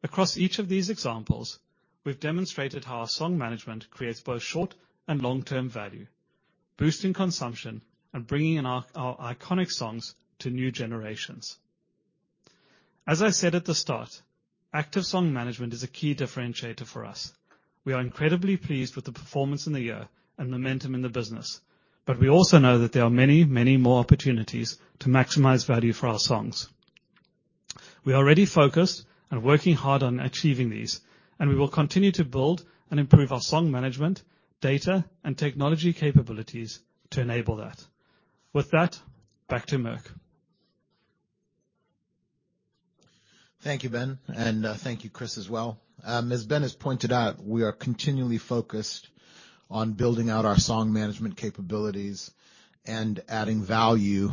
Across each of these examples, we've demonstrated how our song management creates both short and long-term value, boosting consumption and bringing in our iconic songs to new generations. As I said at the start, active song management is a key differentiator for us. We are incredibly pleased with the performance in the year and momentum in the business, but we also know that there are many more opportunities to maximize value for our songs. We are already focused and working hard on achieving these, and we will continue to build and improve our song management, data, and technology capabilities to enable that. With that, back to Merck. Thank you, Ben. Thank you, Chris, as well. As Ben has pointed out, we are continually focused on building out our song management capabilities and adding value.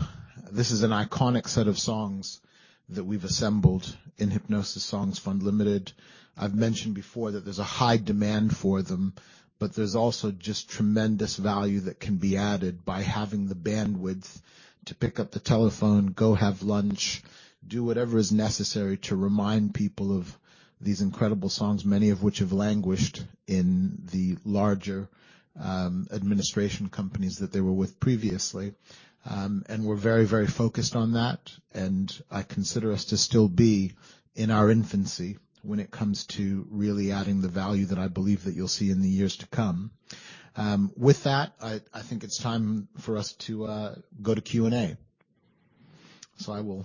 This is an iconic set of songs that we've assembled in Hipgnosis Songs Fund Limited. I've mentioned before that there's a high demand for them, but there's also just tremendous value that can be added by having the bandwidth to pick up the telephone, go have lunch, do whatever is necessary to remind people of these incredible songs, many of which have languished in the larger administration companies that they were with previously. We're very, very focused on that, and I consider us to still be in our infancy when it comes to really adding the value that I believe that you'll see in the years to come. With that, I think it's time for us to go to Q&A. I will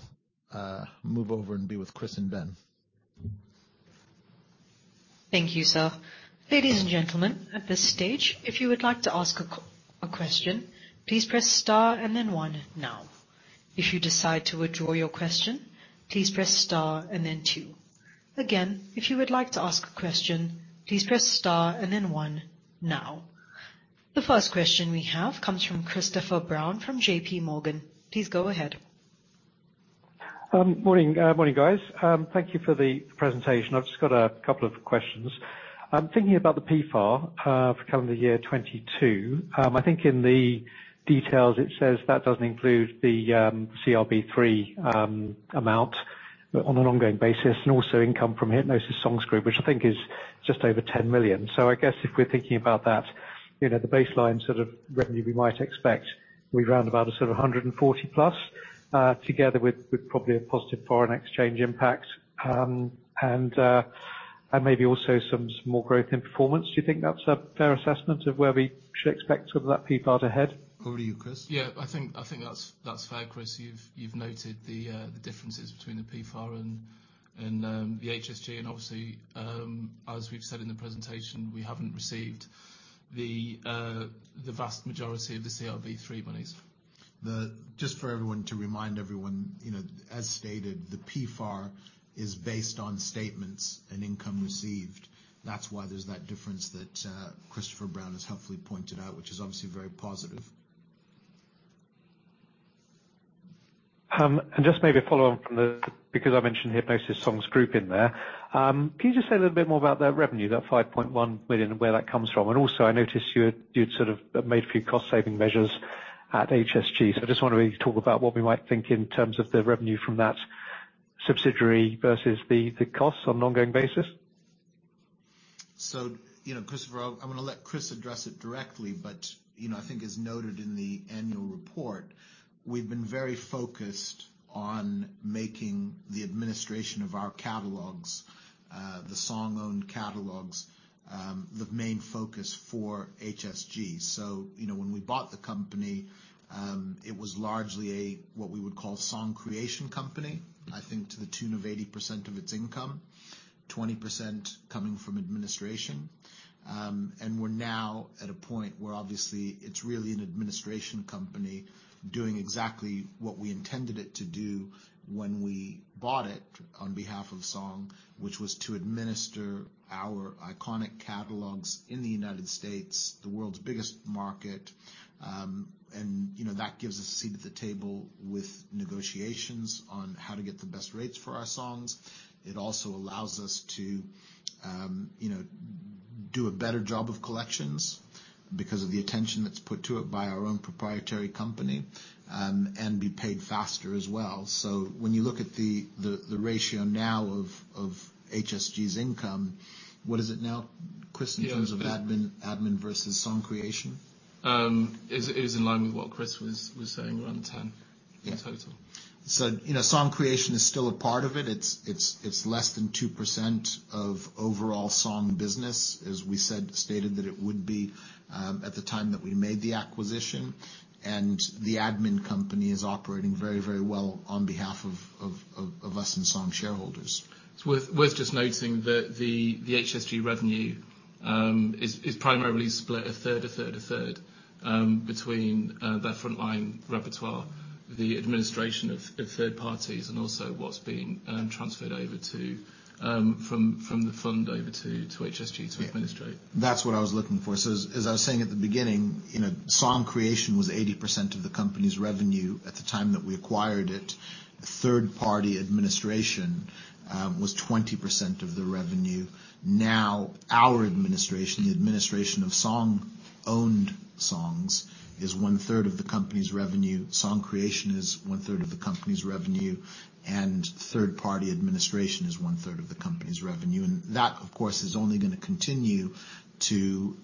move over and be with Chris and Ben. Thank you, sir. Ladies and gentlemen, at this stage, if you would like to ask a question, please press star and then one now. If you decide to withdraw your question, please press star and then two. Again, if you would like to ask a question, please press star and then one now. The first question we have comes from Christopher Brown from JP Morgan. Please go ahead. Morning. Morning, guys. Thank you for the presentation. I've just got a couple of questions. I'm thinking about the PFAR for calendar year 2022. I think in the details it says that doesn't include the CRB III amount, but on an ongoing basis, and also income from Hipgnosis Songs Group, which I think is just over $10 million. I guess if we're thinking about that the baseline sort of revenue we might expect, we round about a sort of a $140+ million, together with probably a positive foreign exchange impact, and maybe also some more growth in performance. Do you think that's a fair assessment of where we should expect sort of that PFAR to head? Over to you, Chris. I think that's fair, Chris. You've noted the differences between the PFAR and the HSG. Obviously, as we've said in the presentation, we haven't received the vast majority of the CRB III monies. Just for everyone, to remind everyone as stated, the PFAR is based on statements and income received. That's why there's that difference that Christopher Brown has helpfully pointed out, which is obviously very positive. Just maybe a follow on from the, because I mentioned Hipgnosis Songs Group in there. Can you just say a little bit more about that revenue, that $5.1 million, and where that comes from? I noticed you'd sort of made a few cost-saving measures at HSG, so I just want to talk about what we might think in terms of the revenue from that subsidiary versus the costs on an ongoing basis. Christopher, I'm gonna let Chris address it directly, but as noted in the annual report, we've been very focused on making the administration of our catalogs, the Song-owned catalogs, the main focus for HSG. When we bought the company, it was largely a, what we would call, song creation company. I think to the tune of 80% of its income, 20% coming from administration. We're now at a point where obviously it's really an administration company doing exactly what we intended it to do when we bought it on behalf of Song, which was to administer our iconic catalogs in the United States, the world's biggest market. That gives us a seat at the table with negotiations on how to get the best rates for our songs. It also allows us to do a better job of collections because of the attention that's put to it by our own proprietary company, and be paid faster as well. When you look at the, the ratio now of HSG's income, what is it now, Chris, in terms of admin versus song creation? It's, it is in line with what Chris was saying, around 10 in total. Song creation is still a part of it. It's less than 2% of overall song business, as we said, stated that it would be at the time that we made the acquisition, the admin company is operating very, very well on behalf of us and Song shareholders. It's worth just noting that the HSG revenue is primarily split a third, a third, a third, between that frontline repertoire, the administration of third parties, and also what's being transferred over to from the fund over to HSG to administrate. That's what I was looking for. As I was saying at the beginning song creation was 80% of the company's revenue at the time that we acquired it. Third-party administration was 20% of the revenue. Now, our administration, the administration of Song-owned songs, is one-third of the company's revenue. Song creation is one-third of the company's revenue, and third-party administration is one-third of the company's revenue. That, of course, is only gonna continue to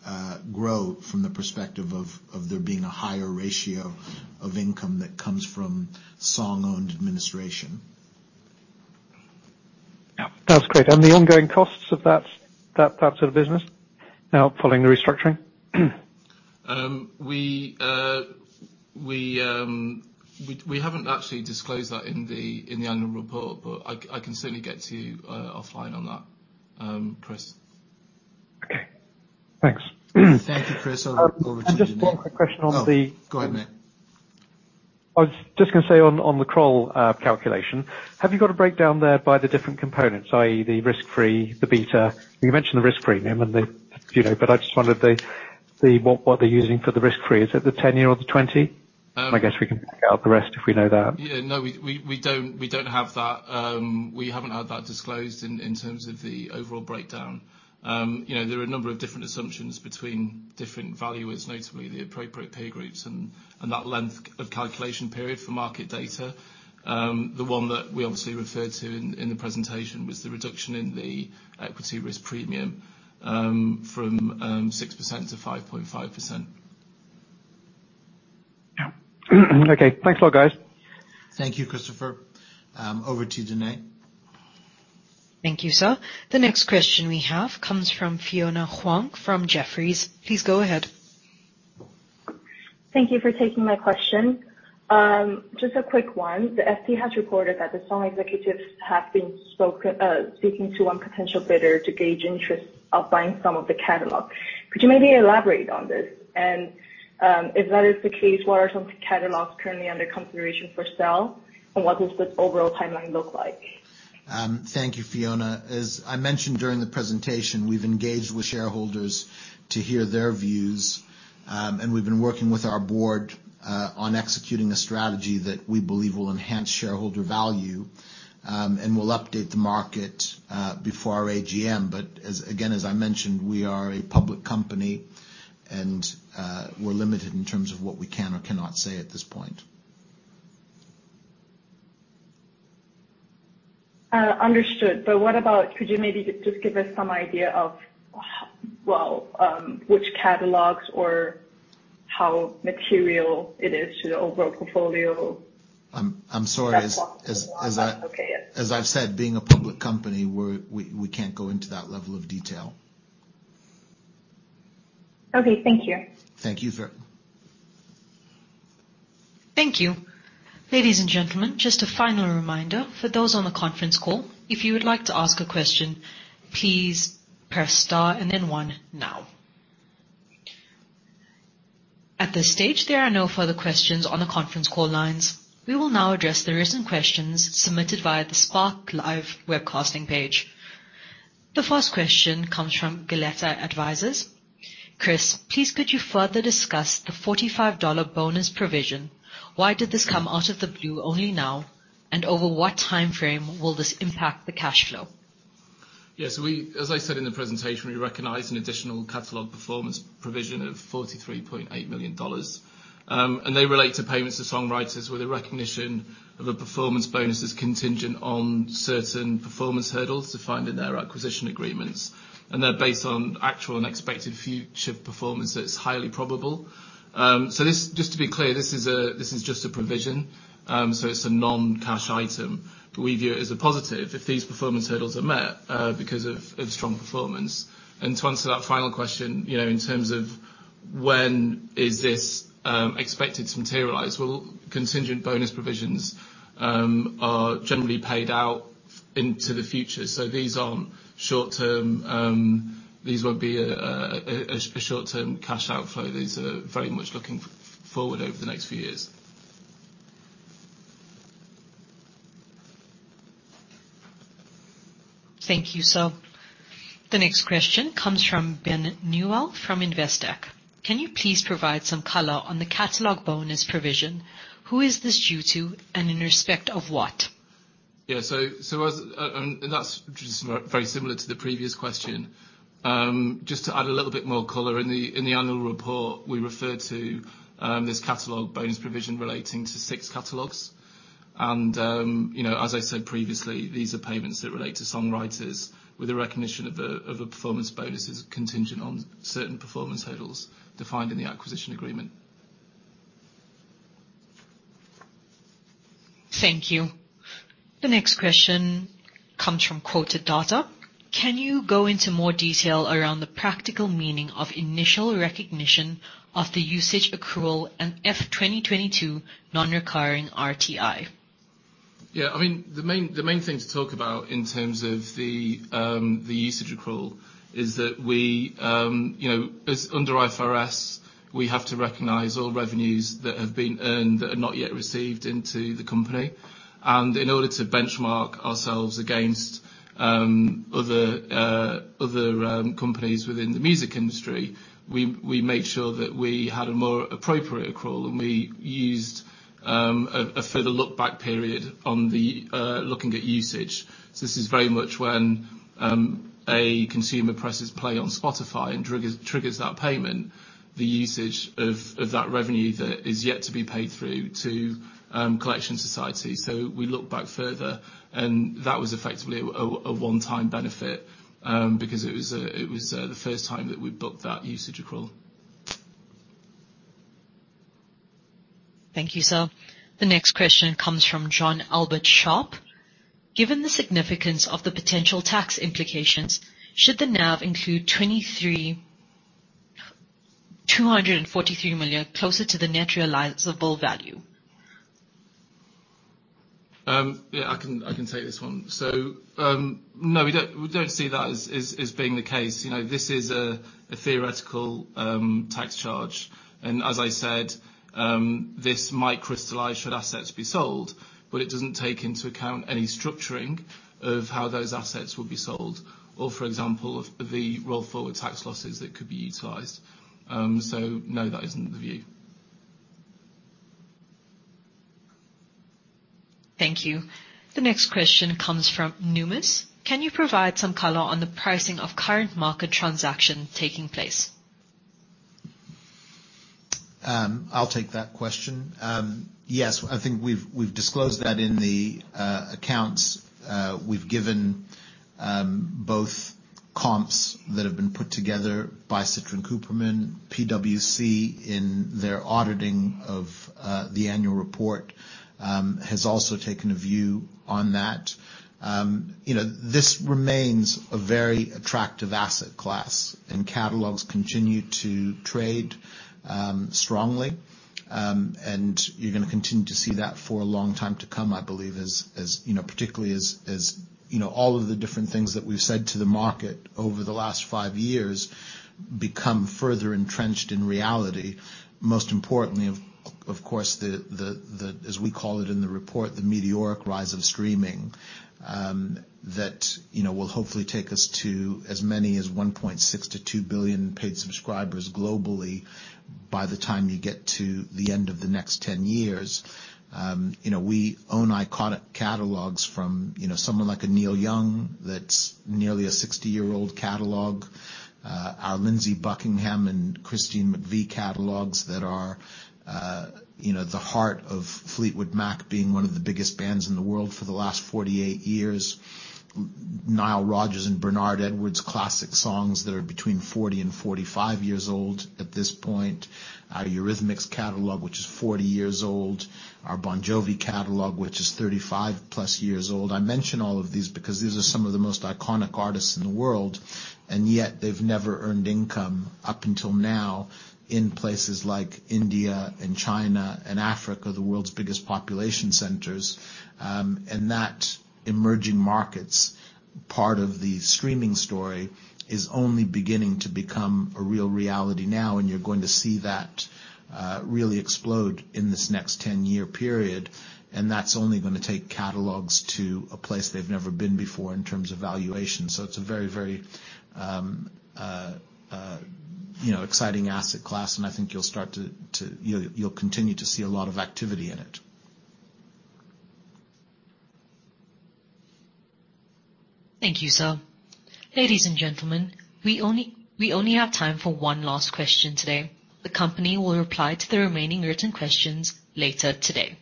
grow from the perspective of there being a higher ratio of income that comes from Song-owned administration. Yeah, that's great. The ongoing costs of that part of the business, now following the restructuring? We haven't actually disclosed that in the annual report, but I can certainly get to you offline on that, Chris. Okay, thanks. Thank you, Chris. I was just gonna say on the Kroll calculation, have you got a breakdown there by the different components, i.e., the risk-free, the beta? You mentioned the risk premium and, but I just wondered what they're using for the risk-free. Is it the 10-year or the 20? I guess we can figure out the rest if we know that. No, we don't have that, we haven't had that disclosed in terms of the overall breakdown. There are a number of different assumptions between different valuers, notably the appropriate peer groups and that length of calculation period for market data. The one that we obviously referred to in the presentation was the reduction in the equity risk premium, from 6% to 5.5%. Yeah. Okay. Thanks a lot, guys. Thank you, Christopher. Over to Danai. Thank you, sir. The next question we have comes from Fiona Huang, from Jefferies. Please go ahead. Thank you for taking my question. Just a quick one. The FT has reported that the song executives have been speaking to one potential bidder to gauge interest of buying some of the catalog. Could you maybe elaborate on this? If that is the case, what are some catalogs currently under consideration for sale, and what does the overall timeline look like? Thank you, Fiona. As I mentioned during the presentation, we've engaged with shareholders to hear their views, and we've been working with our board on executing a strategy that we believe will enhance shareholder value. We'll update the market before our AGM. As again, as I mentioned, we are a public company, and we're limited in terms of what we can or cannot say at this point. Understood. Could you maybe just give us some idea of well, which catalogs or how material it is to the overall portfolio? I'm sorry. As I've said, being a public company, we can't go into that level of detail. Okay. Thank you. Thank you, Fiona. Thank you. Ladies and gentlemen, just a final reminder for those on the conference call, if you would like to ask a question, please press star and then one now. At this stage, there are no further questions on the conference call lines. We will now address the recent questions submitted via the SparkLive webcasting page. The first question comes from Gilliard Advisors: Chris, please, could you further discuss the $45 bonus provision? Why did this come out of the blue only now, and over what time frame will this impact the cash flow? Yes, as I said in the presentation, we recognize an additional catalog performance provision of $43.8 million. They relate to payments to songwriters, with a recognition of performance bonuses contingent on certain performance hurdles defined in their acquisition agreements. They're based on actual and expected future performance that's highly probable. This, just to be clear, this is just a provision. It's a non-cash item, but we view it as a positive if these performance hurdles are met because of strong performance. To answer that final question in terms of when is this expected to materialize? Contingent bonus provisions are generally paid out into the future, so these aren't short-term. These won't be a short-term cash outflow. These are very much looking forward over the next few years. Thank you, sir. The next question comes from Ben Newell from Investec: Can you please provide some color on the catalog bonus provision? Who is this due to, and in respect of what? As, that's just very similar to the previous question. Just to add a little bit more color, in the annual report, we referred to this catalog bonus provision relating to six catalogs. As I said previously, these are payments that relate to songwriters with a recognition of a performance bonuses contingent on certain performance hurdles defined in the acquisition agreement. Thank you. The next question comes from QuotedData: Can you go into more detail around the practical meaning of initial recognition of the usage accrual and F 2022 non-recurring RTI? Yeah, I mean, the main thing to talk about in terms of the usage accrual is that we, as under IFRS, we have to recognize all revenues that have been earned that are not yet received into the company. In order to benchmark ourselves against other companies within the music industry, we made sure that we had a more appropriate accrual, and we used a further look-back period on the looking at usage. This is very much when a consumer presses play on Spotify and triggers that payment, the usage of that revenue that is yet to be paid through to collection society. We look back further, and that was effectively a one-time benefit, because it was the first time that we booked that usage accrual. Thank you, sir. The next question comes from John Albert Sharp: Given the significance of the potential tax implications, should the NAV include 23,243 million closer to the net realizable value? Yeah, I can take this one. No, we don't see that as being the case. This is a theoretical tax charge. As I said, this might crystallize should assets be sold. It doesn't take into account any structuring of how those assets will be sold, or, for example, of the roll-forward tax losses that could be utilized. No, that isn't the view. Thank you. The next question comes from Numis: Can you provide some color on the pricing of current market transaction taking place? I'll take that question. Yes, I think we've disclosed that in the accounts. We've given both comps that have been put together by Citrin Cooperman, PwC, in their auditing of the annual report, has also taken a view on that. This remains a very attractive asset class, and catalogs continue to trade strongly. And you're gonna continue to see that for a long time to come, I believe, as particularly as all of the different things that we've said to the market over the last five years become further entrenched in reality. Most importantly, of course, the as we call it in the report, the meteoric rise of streaming, that will hopefully take us to as many as 1.6 billion to 2 billion paid subscribers globally by the time you get to the end of the next 10 years. We own iconic catalogs from someone like a Neil Young, that's nearly a 60-year-old catalog. Our Lindsey Buckingham and Christine McVie catalogs that are the heart of Fleetwood Mac, being one of the biggest bands in the world for the last 48 years. Nile Rodgers and Bernard Edwards' classic songs that are between 40 and 45 years old at this point. Our Eurythmics catalog, which is 40 years old, our Bon Jovi catalog, which is 35+ years old. I mention all of these because these are some of the most iconic artists in the world. Yet they've never earned income up until now in places like India and China and Africa, the world's biggest population centers. That emerging markets part of the streaming story is only beginning to become a real reality now, and you're going to see that really explode in this next 10-year period. That's only gonna take catalogs to a place they've never been before in terms of valuation. It's a very, very exciting asset class, and I think you'll continue to see a lot of activity in it. Thank you, sir. Ladies and gentlemen, we only have time for one last question today. The company will reply to the remaining written questions later today.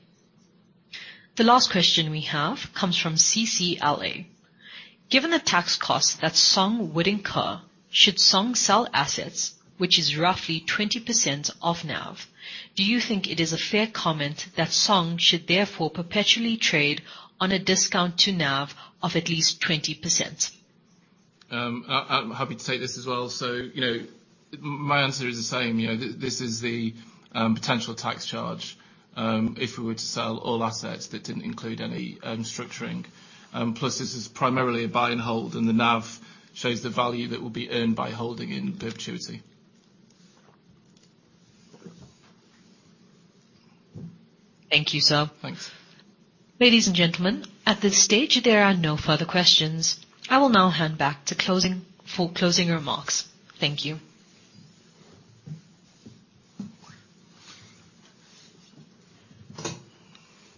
The last question we have comes from CCLA: Given the tax costs that Song would incur, should Song sell assets, which is roughly 20% of NAV, do you think it is a fair comment that Song should therefore perpetually trade on a discount to NAV of at least 20%? I'm happy to take this as well. My answer is the same. This is the potential tax charge, if we were to sell all assets that didn't include any structuring. This is primarily a buy and hold, and the NAV shows the value that will be earned by holding in perpetuity. Thank you, sir. Thanks. Ladies and gentlemen, at this stage, there are no further questions. I will now hand back for closing remarks. Thank you.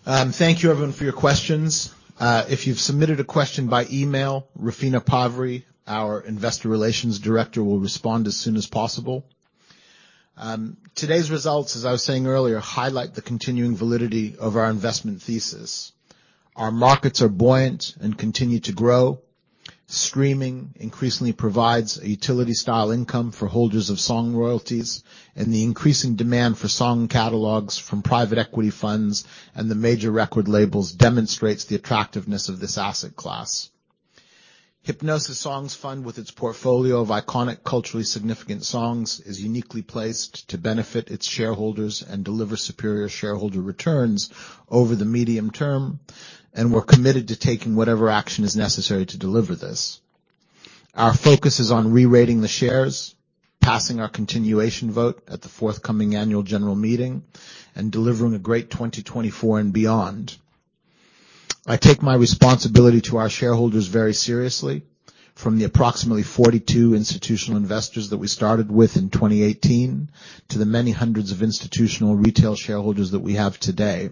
Thank you, everyone, for your questions. If you've submitted a question by email, Rufina Pavri, our investor relations director, will respond as soon as possible. Today's results, as I was saying earlier, highlight the continuing validity of our investment thesis. Our markets are buoyant and continue to grow. Streaming increasingly provides a utility-style income for holders of Song royalties, the increasing demand for Song catalogs from private equity funds and the major record labels demonstrates the attractiveness of this asset class. Hipgnosis Songs Fund, with its portfolio of iconic, culturally significant songs, is uniquely placed to benefit its shareholders and deliver superior shareholder returns over the medium term, and we're committed to taking whatever action is necessary to deliver this. Our focus is on re-rating the shares, passing our continuation vote at the forthcoming annual general meeting, and delivering a great 2024 and beyond. I take my responsibility to our shareholders very seriously, from the approximately 42 institutional investors that we started with in 2018 to the many hundreds of institutional retail shareholders that we have today.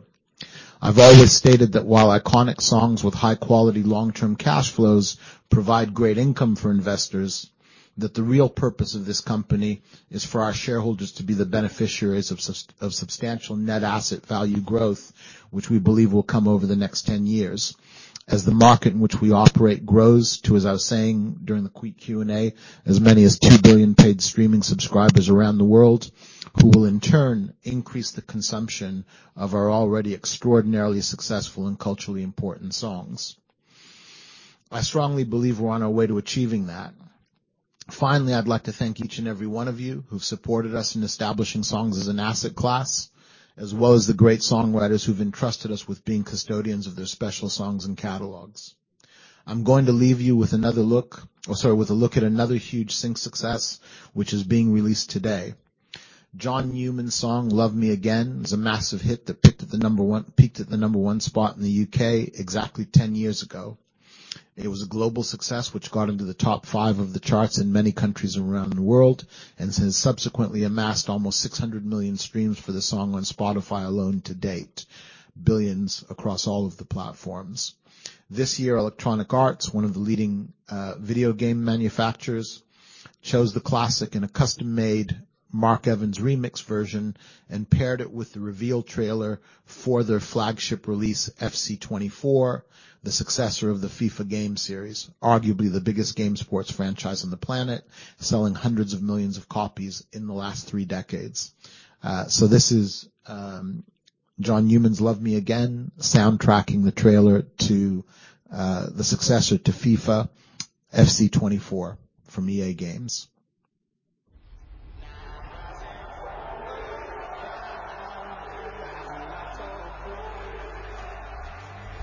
I've always stated that while iconic songs with high quality, long-term cash flows provide great income for investors, that the real purpose of this company is for our shareholders to be the beneficiaries of substantial net asset value growth, which we believe will come over the next 10 years. The market in which we operate grows to, as I was saying during the Q&A, as many as 2 billion paid streaming subscribers around the world, who will in turn increase the consumption of our already extraordinarily successful and culturally important songs. I strongly believe we're on our way to achieving that. I'd like to thank each and every one of you who've supported us in establishing Songs as an asset class, as well as the great songwriters who've entrusted us with being custodians of their special songs and catalogs. I'm going to leave you with a look at another huge sync success, which is being released today. John Newman's song, Love Me Again, was a massive hit that peaked at the number one spot in the U.K. exactly 10 years ago. It was a global success, which got into the top five of the charts in many countries around the world, and has subsequently amassed almost 600 million streams for the song on Spotify alone to date, billions across all of the platforms. This year, Electronic Arts, one of the leading, video game manufacturers, chose the classic in a custom-made Mark Evans remix version and paired it with the reveal trailer for their flagship release, FC 24, the successor of the FIFA game series, arguably the biggest game sports franchise on the planet, selling hundreds of millions of copies in the last 3 decades. This is John Newman's Love Me Again, soundtracking the trailer to the successor to FIFA, FC 24 from Electronic Arts.